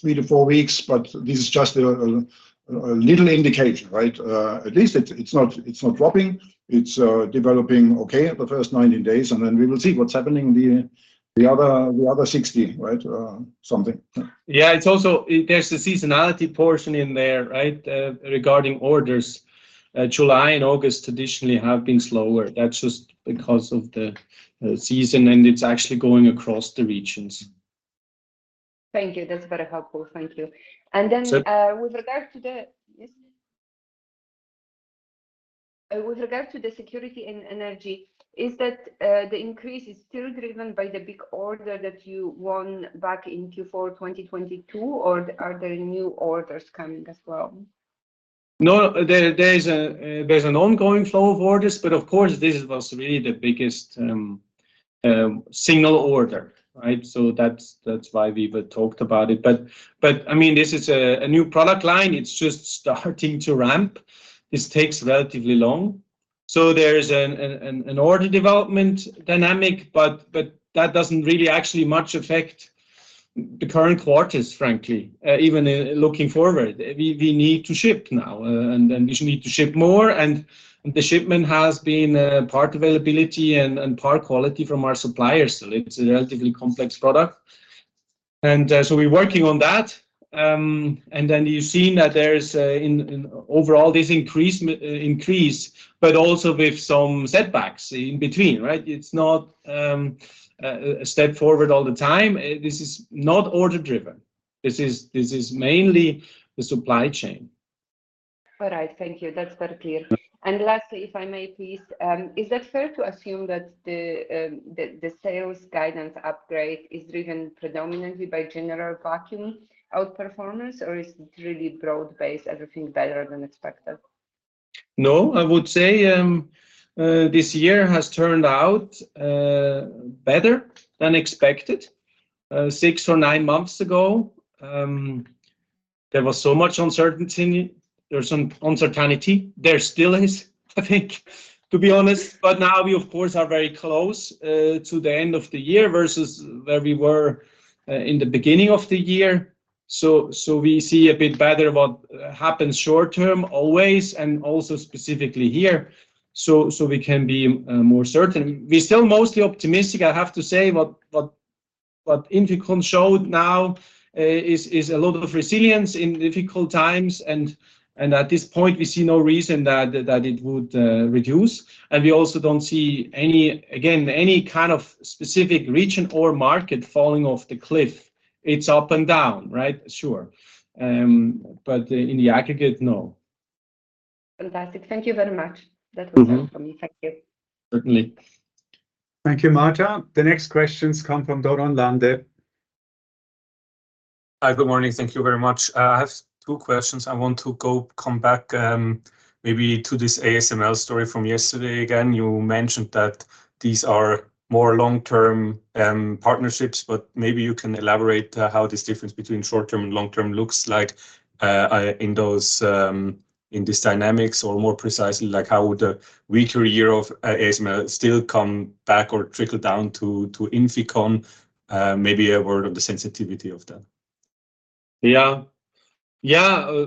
three to four weeks, but this is just a little indication, right? At least it's not dropping. It's developing okay at the first 19 days, and then we will see what's happening the other 60, right? Something. Yeah. It's also... There's a seasonality portion in there, right, regarding orders. July and August traditionally have been slower. That's just because of the season, and it's actually going across the regions. Thank you. That's very helpful. Thank you. So- With regard to the Security and Energy, is that the increase still driven by the big order that you won back in Q4 2022, or are there new orders coming as well? No, there is an ongoing flow of orders, but of course, this was really the biggest single order, right? So that's why we talked about it. But I mean, this is a new product line. It's just starting to ramp. This takes relatively long. So there's an order development dynamic, but that doesn't really actually much affect the current quarters, frankly. Even looking forward, we need to ship now, and then we need to ship more, and the shipment has been part availability and part quality from our suppliers. So it's a relatively complex product, and so we're working on that. And then you've seen that there's an overall increase, but also with some setbacks in between, right? It's not a step forward all the time. This is not order-driven. This is mainly the supply chain. All right. Thank you. That's very clear. Mm-hmm. And lastly, if I may, please, is it fair to assume that the sales guidance upgrade is driven predominantly by General Vacuum outperformance, or is it really broad-based, everything better than expected?... No, I would say, this year has turned out, better than expected. Six or nine months ago, there was so much uncertainty, there was some uncertainty. There still is, I think, to be honest, but now we of course, are very close, to the end of the year versus where we were, in the beginning of the year. So, so we see a bit better what happens short term, always, and also specifically here, so, so we can be, more certain. We're still mostly optimistic, I have to say, but, but, but INFICON showed now, is, is a lot of resilience in difficult times, and, and at this point, we see no reason that, that it would, reduce. And we also don't see any, again, any kind of specific region or market falling off the cliff. It's up and down, right? Sure. But in the aggregate, no. Fantastic. Thank you very much. Mm-hmm. That was all from me. Thank you. Certainly. Thank you, Marta. The next questions come from Doron Lande. Hi, good morning. Thank you very much. I have two questions. I want to come back, maybe to this ASML story from yesterday again. You mentioned that these are more long-term partnerships, but maybe you can elaborate how this difference between short-term and long-term looks like in those, in these dynamics, or more precisely, like, how would a weaker year of ASML still come back or trickle down to INFICON? Maybe a word of the sensitivity of that. Yeah. Yeah,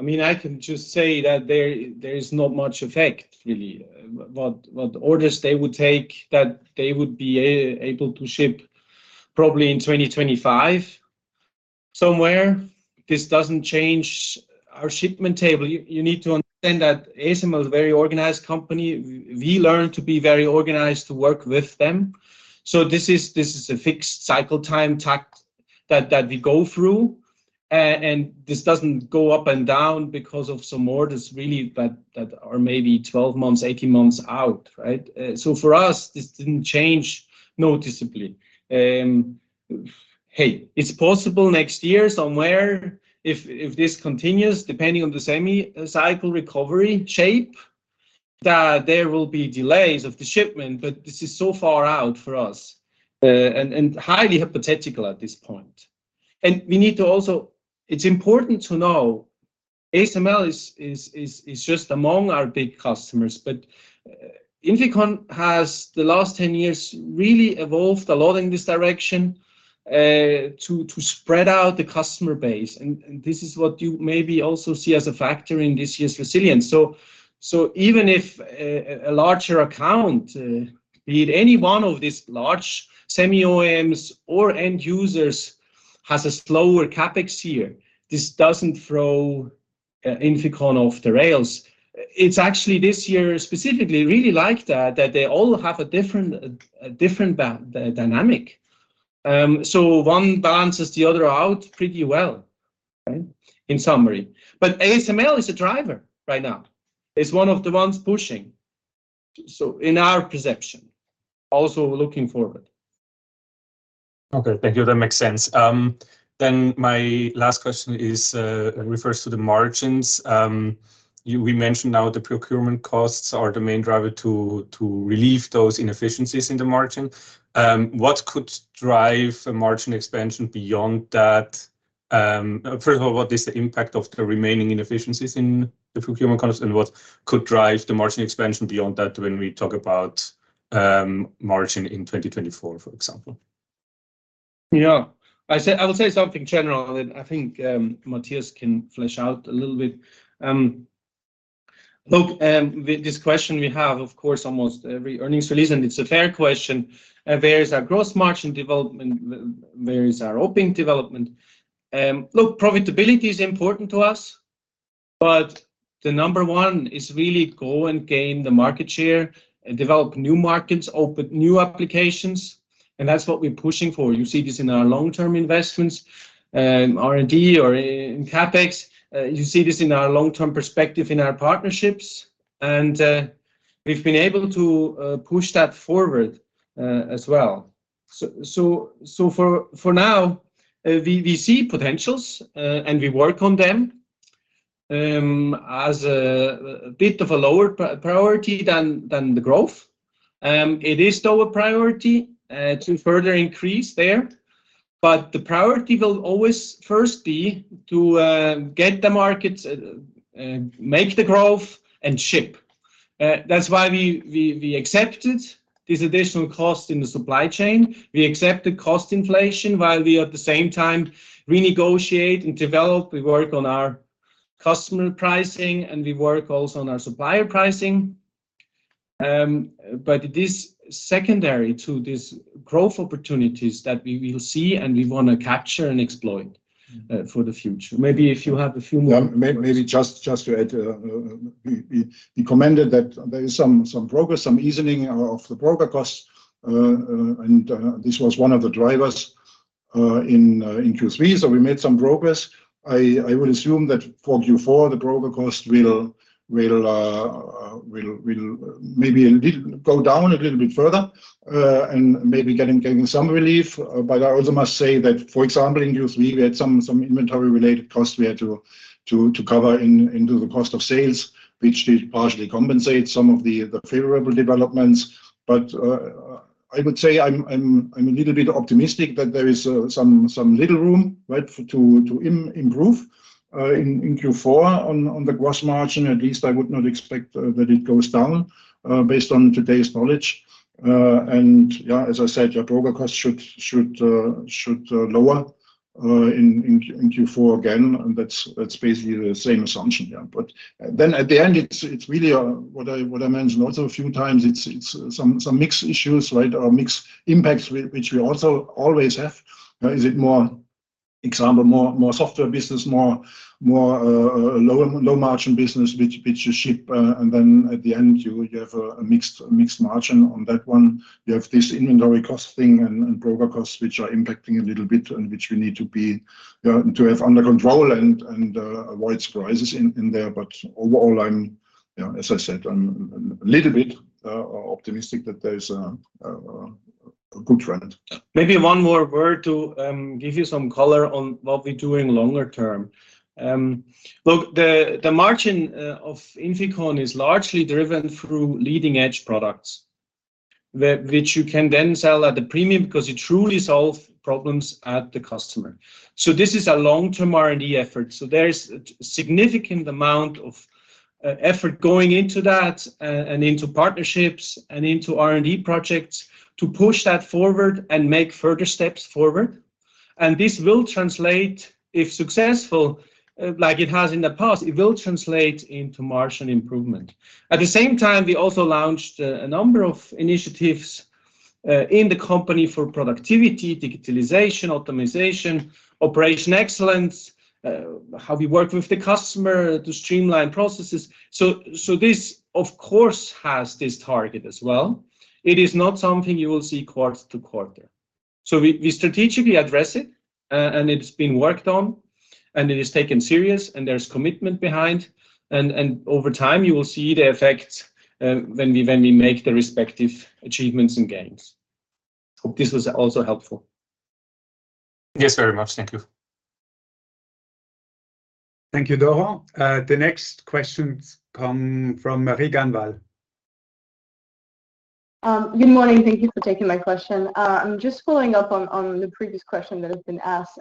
I mean, I can just say that there is not much effect really. What orders they would take that they would be able to ship probably in 2025 somewhere. This doesn't change our shipment table. You need to understand that ASML is a very organized company. We learned to be very organized to work with them. So this is a fixed cycle time track that we go through, and this doesn't go up and down because of some orders really, that are maybe 12 months, 18 months out, right? So for us, this didn't change noticeably. Hey, it's possible next year somewhere, if this continues, depending on the semi-cycle recovery shape, that there will be delays of the shipment, but this is so far out for us, and highly hypothetical at this point. It's important to know ASML is just among our big customers. But INFICON has, the last 10 years, really evolved a lot in this direction, to spread out the customer base. And this is what you maybe also see as a factor in this year's resilience. So even if a larger account, be it any one of these large semi-OEMs or end users has a slower CapEx year, this doesn't throw INFICON off the rails. It's actually this year specifically, really like that, that they all have a different, a different dynamic. So one balances the other out pretty well, right? In summary. But ASML is a driver right now. It's one of the ones pushing, so in our perception, also looking forward. Okay, thank you. That makes sense. Then my last question refers to the margins. You, we mentioned now the procurement costs are the main driver to, to relieve those inefficiencies in the margin. What could drive a margin expansion beyond that? First of all, what is the impact of the remaining inefficiencies in the procurement costs, and what could drive the margin expansion beyond that when we talk about margin in 2024, for example? Yeah. I say, I will say something general, and I think, Matthias can flesh out a little bit. Look, with this question, we have, of course, almost every earnings release, and it's a fair question. Where is our gross margin development? Where is our OPING development? Look, profitability is important to us, but the number one is really go and gain the market share and develop new markets, open new applications, and that's what we're pushing for. You see this in our long-term investments, R&D or in CapEx. You see this in our long-term perspective, in our partnerships, and, we've been able to, push that forward, as well. So, for now, we see potentials, and we work on them, as a bit of a lower priority than the growth. It is still a priority to further increase there, but the priority will always first be to get the markets, make the growth, and ship. That's why we accepted this additional cost in the supply chain. We accept the cost inflation while we, at the same time, renegotiate and develop. We work on our customer pricing, and we work also on our supplier pricing. But it is secondary to these growth opportunities that we will see, and we want to capture and exploit for the future. Maybe if you have a few more- Yeah, maybe just to add, we commented that there is some progress, some easing of the broker costs, and this was one of the drivers in Q3, so we made some progress. I would assume that for Q4, the broker cost will maybe a little go down a little bit further, and maybe getting some relief. But I also must say that, for example, in Q3, we had some inventory-related costs we had to cover into the cost of sales, which did partially compensate some of the favorable developments. But I would say I'm a little bit optimistic that there is some little room, right, for to improve in Q4 on the gross margin. At least I would not expect that it goes down based on today's knowledge. And yeah, as I said, your broker costs should lower in Q4 again, and that's basically the same assumption. Yeah, but then at the end, it's really what I mentioned also a few times, it's some mixed issues, right? Or mixed impacts which we also always have. Is it more, example, more low-margin business which you ship, and then at the end you have a mixed margin on that one. You have this inventory costing and broker costs, which are impacting a little bit, and which we need to have under control and avoid surprises in there. But overall, as I said, I'm a little bit optimistic that there's a good trend. Maybe one more word to give you some color on what we do in longer term. Look, the margin of INFICON is largely driven through leading-edge products, which you can then sell at a premium because you truly solve problems at the customer. So this is a long-term R&D effort. So there is a significant amount of effort going into that and into partnerships and into R&D projects to push that forward and make further steps forward. And this will translate, if successful, like it has in the past, into margin improvement. At the same time, we also launched a number of initiatives in the company for productivity, digitalization, optimization, operational excellence, how we work with the customer to streamline processes. So this, of course, has this target as well. It is not something you will see quarter-to-quarter. So we strategically address it, and it's being worked on, and it is taken serious, and there's commitment behind. And over time, you will see the effects, when we make the respective achievements and gains. Hope this was also helpful. Yes, very much. Thank you. Thank you, Doron. The next questions come from Marie Ganneval. Good morning. Thank you for taking my question. I'm just following up on the previous question that has been asked.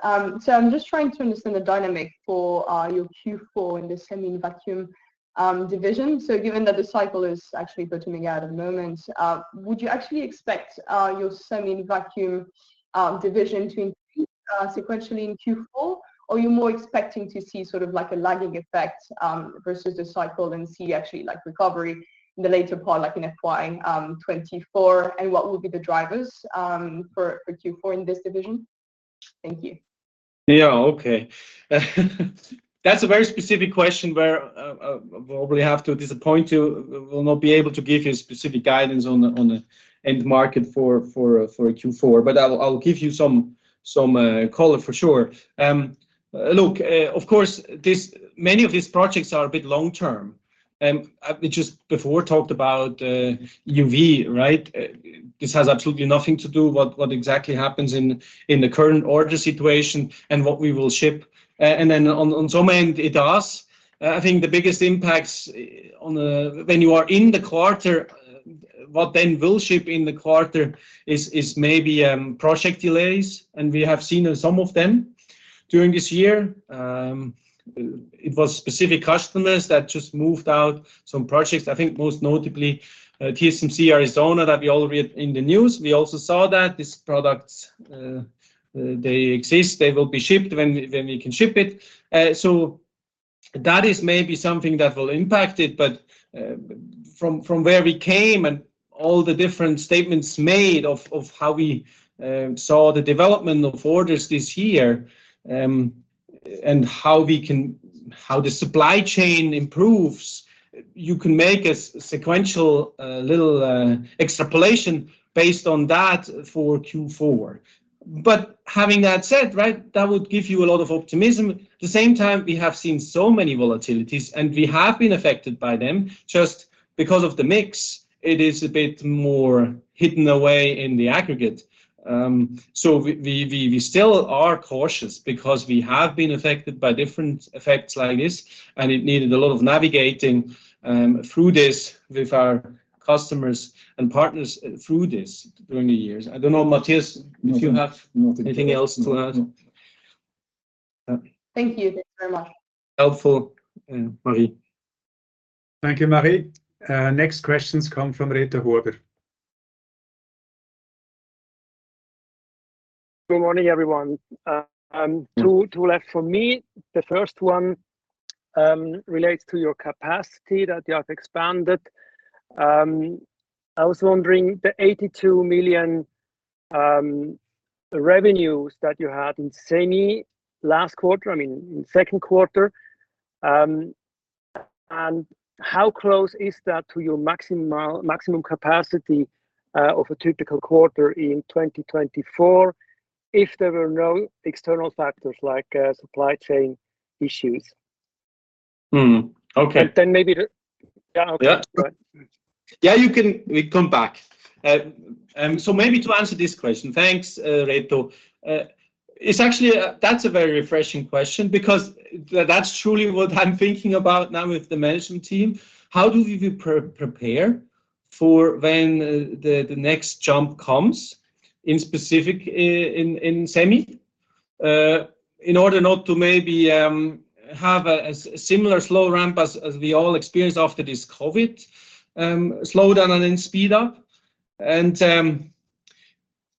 So I'm just trying to understand the dynamic for your Q4 in the Semi Vacuum division. So given that the cycle is actually bottoming out at the moment, would you actually expect your Semi Vacuum division to increase sequentially in Q4? Or are you more expecting to see sort of like a lagging effect versus the cycle and see actually like recovery in the later part like in FY 2024? And what will be the drivers for Q4 in this division? Thank you. Yeah. Okay. That's a very specific question where, probably have to disappoint you. We'll not be able to give you specific guidance on the, on the end market for, for, for Q4, but I'll, I'll give you some, some, color for sure. Look, of course, this—many of these projects are a bit long term, we just before talked about, EUV, right? This has absolutely nothing to do with what exactly happens in, in the current order situation and what we will ship. And then on, on some end, it does. I think the biggest impacts on... when you are in the quarter, what then will ship in the quarter is, is maybe, project delays, and we have seen some of them during this year. It was specific customers that just moved out some projects, I think most notably, TSMC, Arizona, that we all read in the news. We also saw that these products, they exist, they will be shipped when we can ship it. So that is maybe something that will impact it. But, from where we came and all the different statements made of how we saw the development of orders this year, and how the supply chain improves, you can make a sequential, little, extrapolation based on that for Q4. But having that said, right, that would give you a lot of optimism. At the same time, we have seen so many volatilities, and we have been affected by them. Just because of the mix, it is a bit more hidden away in the aggregate. So we still are cautious because we have been affected by different effects like this, and it needed a lot of navigating through this with our customers and partners through this during the years. I don't know, Matthias, if you have- No... anything else to add? Thank you. Thank you very much. Helpful, Marie. Thank you, Marie. Next questions come from Reto Huber. Good morning, everyone. Two left from me. The first one relates to your capacity that you have expanded. I was wondering, the $82 million revenues that you had in semi last quarter, I mean, in Q2, and how close is that to your maximum capacity of a typical quarter in 2024?... if there were no external factors like supply chain issues. Hmm. Okay. But then maybe, yeah, okay. Yeah. Go ahead. Yeah, you can, we come back. And so maybe to answer this question... Thanks, Reto. It's actually, that's a very refreshing question, because that's truly what I'm thinking about now with the management team. How do we prepare for when, the, the next jump comes, in specific, in, in semi? In order not to maybe, have a, a similar slow ramp as, as we all experienced after this COVID, slow down and then speed up.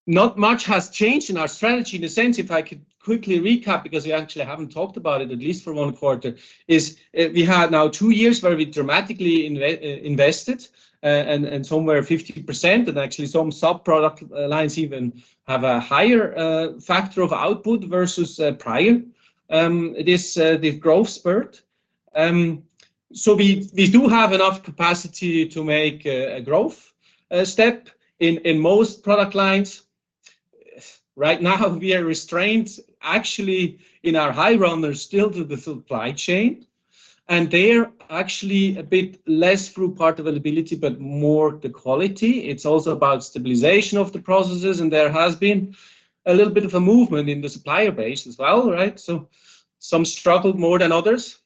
Not much has changed in our strategy in a sense, if I could quickly recap, because we actually haven't talked about it, at least for Q1. We have now two years where we dramatically invested, and somewhere 50%, and actually some sub-product lines even have a higher factor of output versus prior. This, the growth spurt. So we do have enough capacity to make a growth step in most product lines. Right now, we are restrained actually in our high runner, still to the supply chain, and they're actually a bit less through part availability, but more the quality. It's also about stabilization of the processes, and there has been a little bit of a movement in the supplier base as well, right? So some struggled more than others.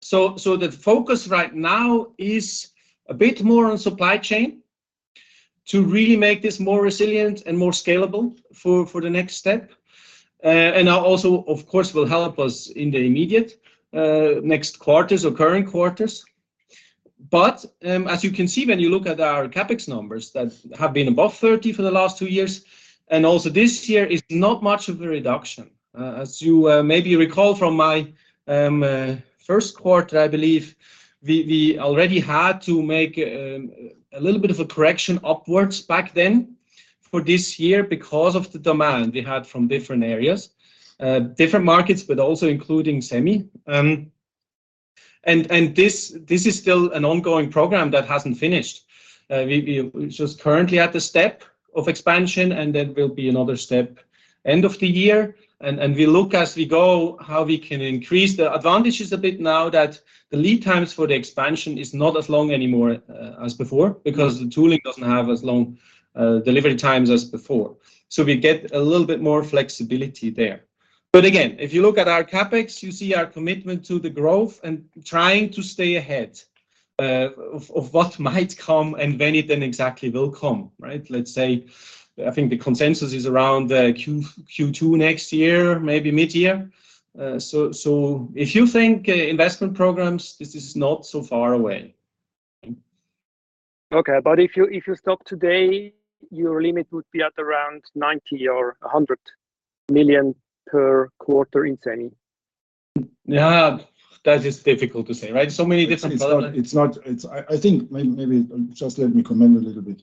So, the focus right now is a bit more on supply chain, to really make this more resilient and more scalable for the next step. And now also, of course, will help us in the immediate, next quarters or current quarters. But, as you can see, when you look at our CapEx numbers that have been above $30 for the last two years, and also this year is not much of a reduction. As you maybe recall from my Q1, I believe, we already had to make a little bit of a correction upwards back then for this year, because of the demand we had from different areas, different markets, but also including semi. And this is still an ongoing program that hasn't finished. We're just currently at the step of expansion, and then there will be another step end of the year, and we look as we go, how we can increase. The advantage is a bit now that the lead times for the expansion is not as long anymore, as before, because the tooling doesn't have as long, delivery times as before. So we get a little bit more flexibility there. But again, if you look at our CapEx, you see our commitment to the growth and trying to stay ahead, of what might come and when it then exactly will come, right? Let's say, I think the consensus is around, Q2 next year, maybe mid-year. So if you think, investment programs, this is not so far away. Okay, but if you, if you stop today, your limit would be at around $90 million or $100 million per quarter in semi? Yeah, that is difficult to say, right? So many different products. It's... I think maybe, just let me comment a little bit.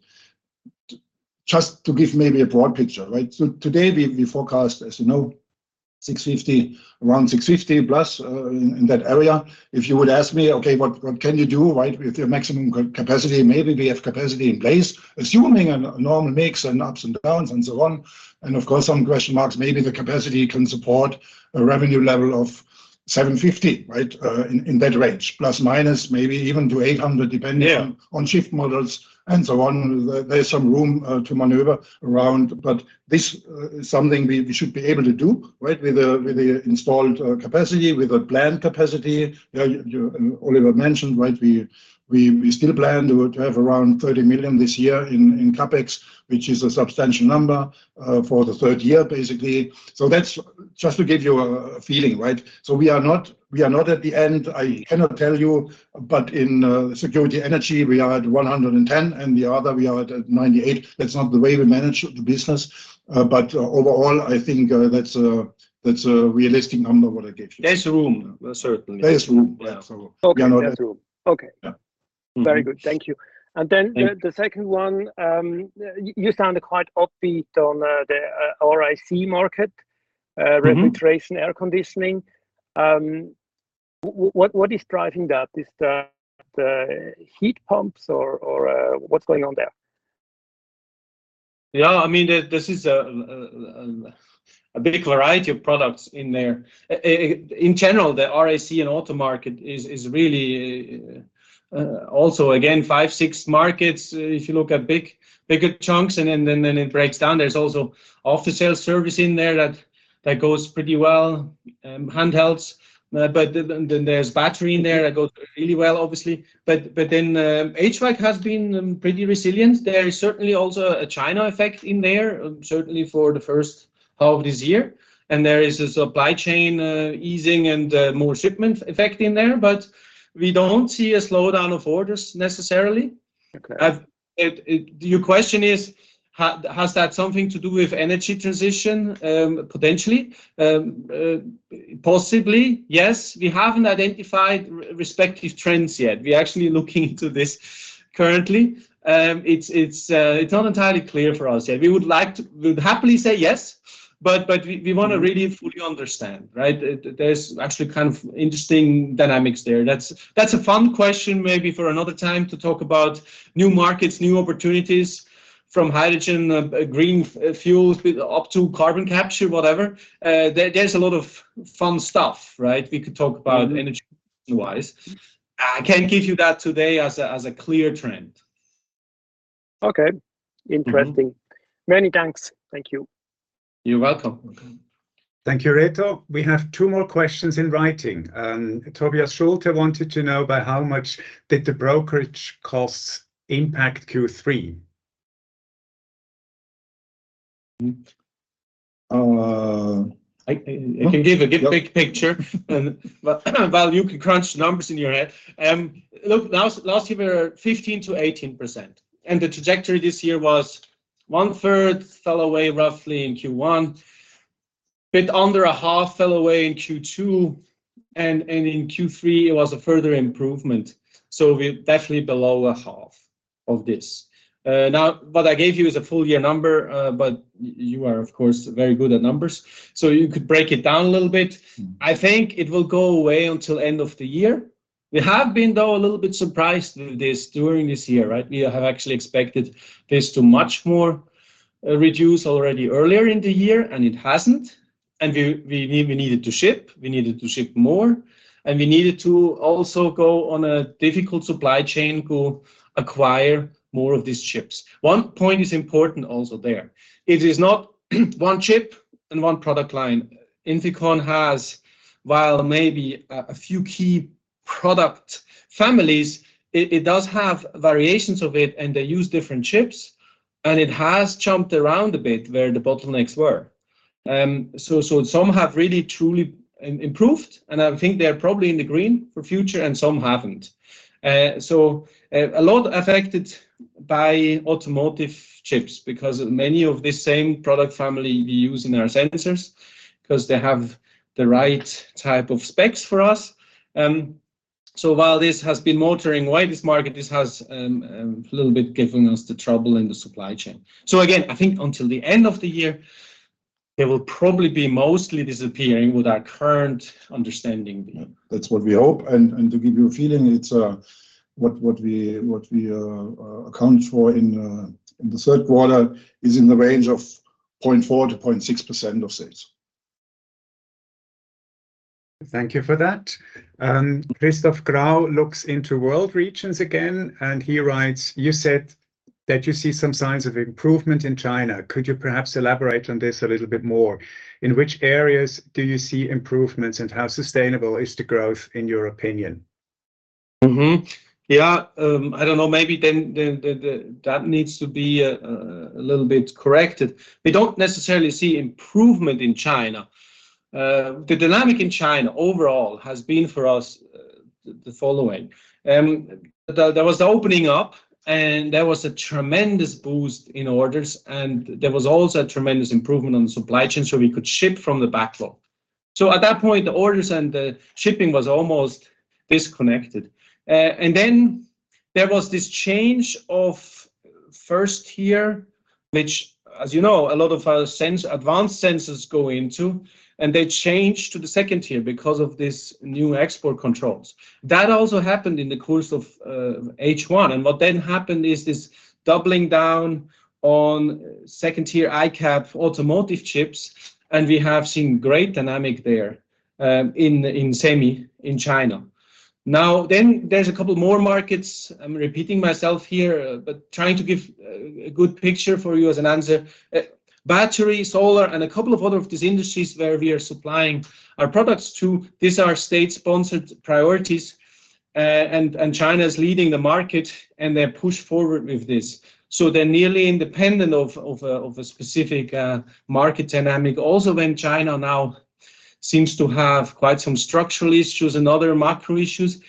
Just to give maybe a broad picture, right? So today, we forecast $650 million, around $650 million+, in that area. If you would ask me, "Okay, what can you do, right, with your maximum capacity?" Maybe we have capacity in place, assuming a normal mix and ups and downs and so on, and of course, some question marks, maybe the capacity can support a revenue level of $750 million, right? In that range, plus, minus, maybe even to $800 million- Yeah... depending on shift models and so on. There's some room to maneuver around, but this is something we should be able to do, right? With the installed capacity, with the planned capacity. You, Oliver mentioned, right, we still plan to have around $30 million this year in CapEx, which is a substantial number for the third year, basically. So that's just to give you a feeling, right? So we are not at the end, I cannot tell you, but in security energy, we are at 110, and the other, we are at 98. That's not the way we manage the business, but overall, I think that's a realistic number what I gave you. There's room, certainly. There's room, yeah. Yeah. So we are not- Okay, there's room. Okay. Yeah. Very good, thank you. Thank you. And then the second one, you sounded quite upbeat on the RAC market. Mm-hmm... refrigeration, air conditioning. What, what is driving that? Is that the heat pumps or, or, what's going on there? Yeah, I mean, this is a big variety of products in there. In general, the RAC Auto market is really also again 5, 6 markets, if you look at big, bigger chunks, and then it breaks down. There's also after sales service in there that goes pretty well, handhelds. But then there's battery in there that goes really well, obviously. But then HVAC has been pretty resilient. There is certainly also a China effect in there, certainly for the first half of this year, and there is a supply chain easing and more shipment effect in there, but we don't see a slowdown of orders necessarily. Okay. Your question is, has that something to do with energy transition? Potentially, possibly, yes. We haven't identified respective trends yet. We're actually looking into this currently. It's not entirely clear for us yet. We'd happily say yes, but we wanna really fully understand, right? There's actually kind of interesting dynamics there. That's a fun question maybe for another time to talk about new markets, new opportunities from hydrogen, green fuels up to carbon capture, whatever. There's a lot of fun stuff, right? We could talk about energy-wise. I can't give you that today as a clear trend. Okay. Mm-hmm. Interesting. Many thanks. Thank you. You're welcome. Thank you, Reto. We have two more questions in writing. Tobias Schulte wanted to know by how much did the brokerage costs impact Q3? Uh... I can give a big picture. While you can crunch numbers in your head. Look, last year were 15%-18%, and the trajectory this year was one-third fell away roughly in Q1, a bit under a half fell away in Q2, and in Q3 it was a further improvement. So we're definitely below a half of this. Now, what I gave you is a full year number, but you are, of course, very good at numbers, so you could break it down a little bit. Mm. I think it will go away until end of the year. We have been, though, a little bit surprised with this during this year, right? We have actually expected this to much more reduce already earlier in the year, and it hasn't, and we needed to ship. We needed to ship more, and we needed to also go on a difficult supply chain to acquire more of these chips. One point is important also there. It is not one chip and one product line. INFICON has, while maybe a few key product families, it does have variations of it, and they use different chips, and it has jumped around a bit where the bottlenecks were. So some have really truly improved, and I think they are probably in the green for future, and some haven't. So a lot affected by automotive chips, because many of the same product family we use in our sensors, 'cause they have the right type of specs for us. So while this has been motoring away this market, this has a little bit given us the trouble in the supply chain. So again, I think until the end of the year, it will probably be mostly disappearing with our current understanding. That's what we hope, and to give you a feeling, it's what we account for in the Q3 is in the range of 0.4%-0.6% of sales. Thank you for that. Christoph Grau looks into world regions again, and he writes: "You said that you see some signs of improvement in China. Could you perhaps elaborate on this a little bit more? In which areas do you see improvements, and how sustainable is the growth, in your opinion? Mm-hmm. Yeah, I don't know. Maybe then that needs to be a little bit corrected. We don't necessarily see improvement in China. The dynamic in China overall has been, for us, the following: there was the opening up, and there was a tremendous boost in orders, and there was also a tremendous improvement on the supply chain, so we could ship from the backlog. So at that point, the orders and the shipping was almost disconnected. And then there was this change of first tier, which, as you know, a lot of our advanced sensors go into, and they changed to the second tier because of this new export controls. That also happened in the course of H1, and what then happened is this doubling down on second-tier ICAP automotive chips, and we have seen great dynamic there, in Semi, in China. Now, then, there's a couple more markets. I'm repeating myself here, but trying to give a good picture for you as an answer. Battery, solar, and a couple of other of these industries where we are supplying our products to, these are state-sponsored priorities, and China's leading the market, and they push forward with this. So they're nearly independent of a specific market dynamic. Also, when China now seems to have quite some structural issues and other macro issues,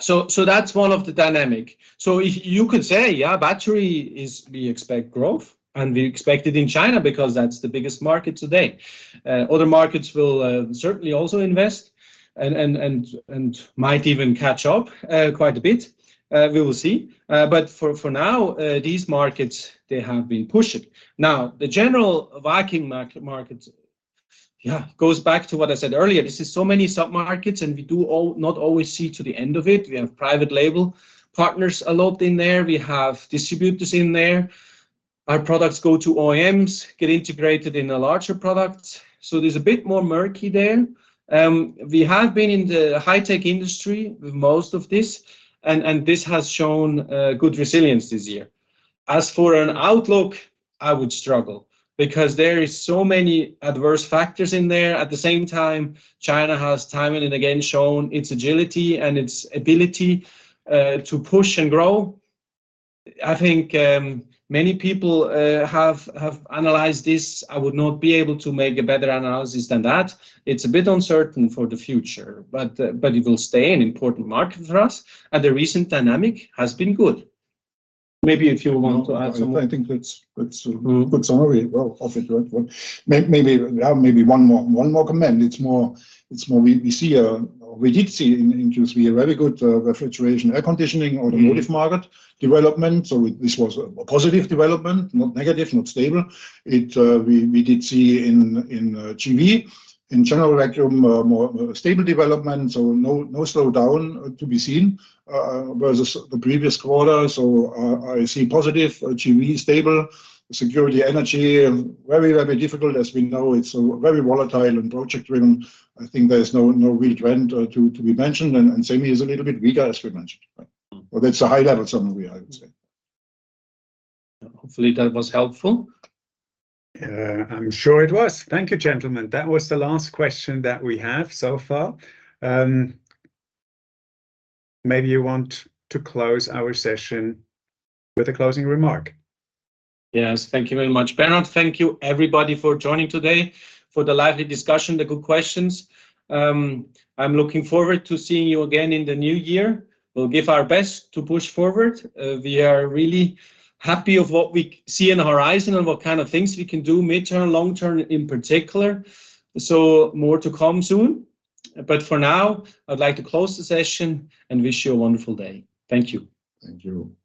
so that's one of the dynamic. So you could say, yeah, battery is... We expect growth, and we expect it in China because that's the biggest market today. Other markets will certainly also invest and might even catch up quite a bit. We will see. But for now, these markets, they have been pushing. Now, the general Vacuum market goes back to what I said earlier. This is so many submarkets, and we do not always see to the end of it. We have private label partners a lot in there. We have distributors in there. Our products go to OEMs, get integrated in a larger product, so there's a bit more murky there. We have been in the high-tech industry with most of this, and this has shown good resilience this year. As for an outlook, I would struggle, because there is so many adverse factors in there. At the same time, China has time and again shown its agility and its ability to push and grow. I think many people have analyzed this. I would not be able to make a better analysis than that. It's a bit uncertain for the future, but but it will stay an important market for us, and the recent dynamic has been good. Maybe if you want to add something. I think that's a- Mm... good summary, well, of it, right? But maybe, yeah, maybe one more comment. It's more we see. We did see in Q3 a very good refrigeration, air conditioning- Mm... automotive market development, so this was a positive development, not negative, not stable. We did see in GV, in General Vacuum, more stable development, so no slowdown to be seen versus the previous quarter. So I see positive. GV stable. Security, energy, very, very difficult, as we know. It's very volatile and project-driven. I think there is no real trend to be mentioned, and semi is a little bit weaker, as we mentioned, right? Mm. But that's a high-level summary, I would say. Hopefully that was helpful. I'm sure it was. Thank you, gentlemen. That was the last question that we have so far. Maybe you want to close our session with a closing remark. Yes. Thank you very much, Bernhard. Thank you, everybody, for joining today, for the lively discussion, the good questions. I'm looking forward to seeing you again in the new year. We'll give our best to push forward. We are really happy of what we see in the horizon and what kind of things we can do mid-term, long-term in particular, so more to come soon. But for now, I'd like to close the session and wish you a wonderful day. Thank you. Thank you.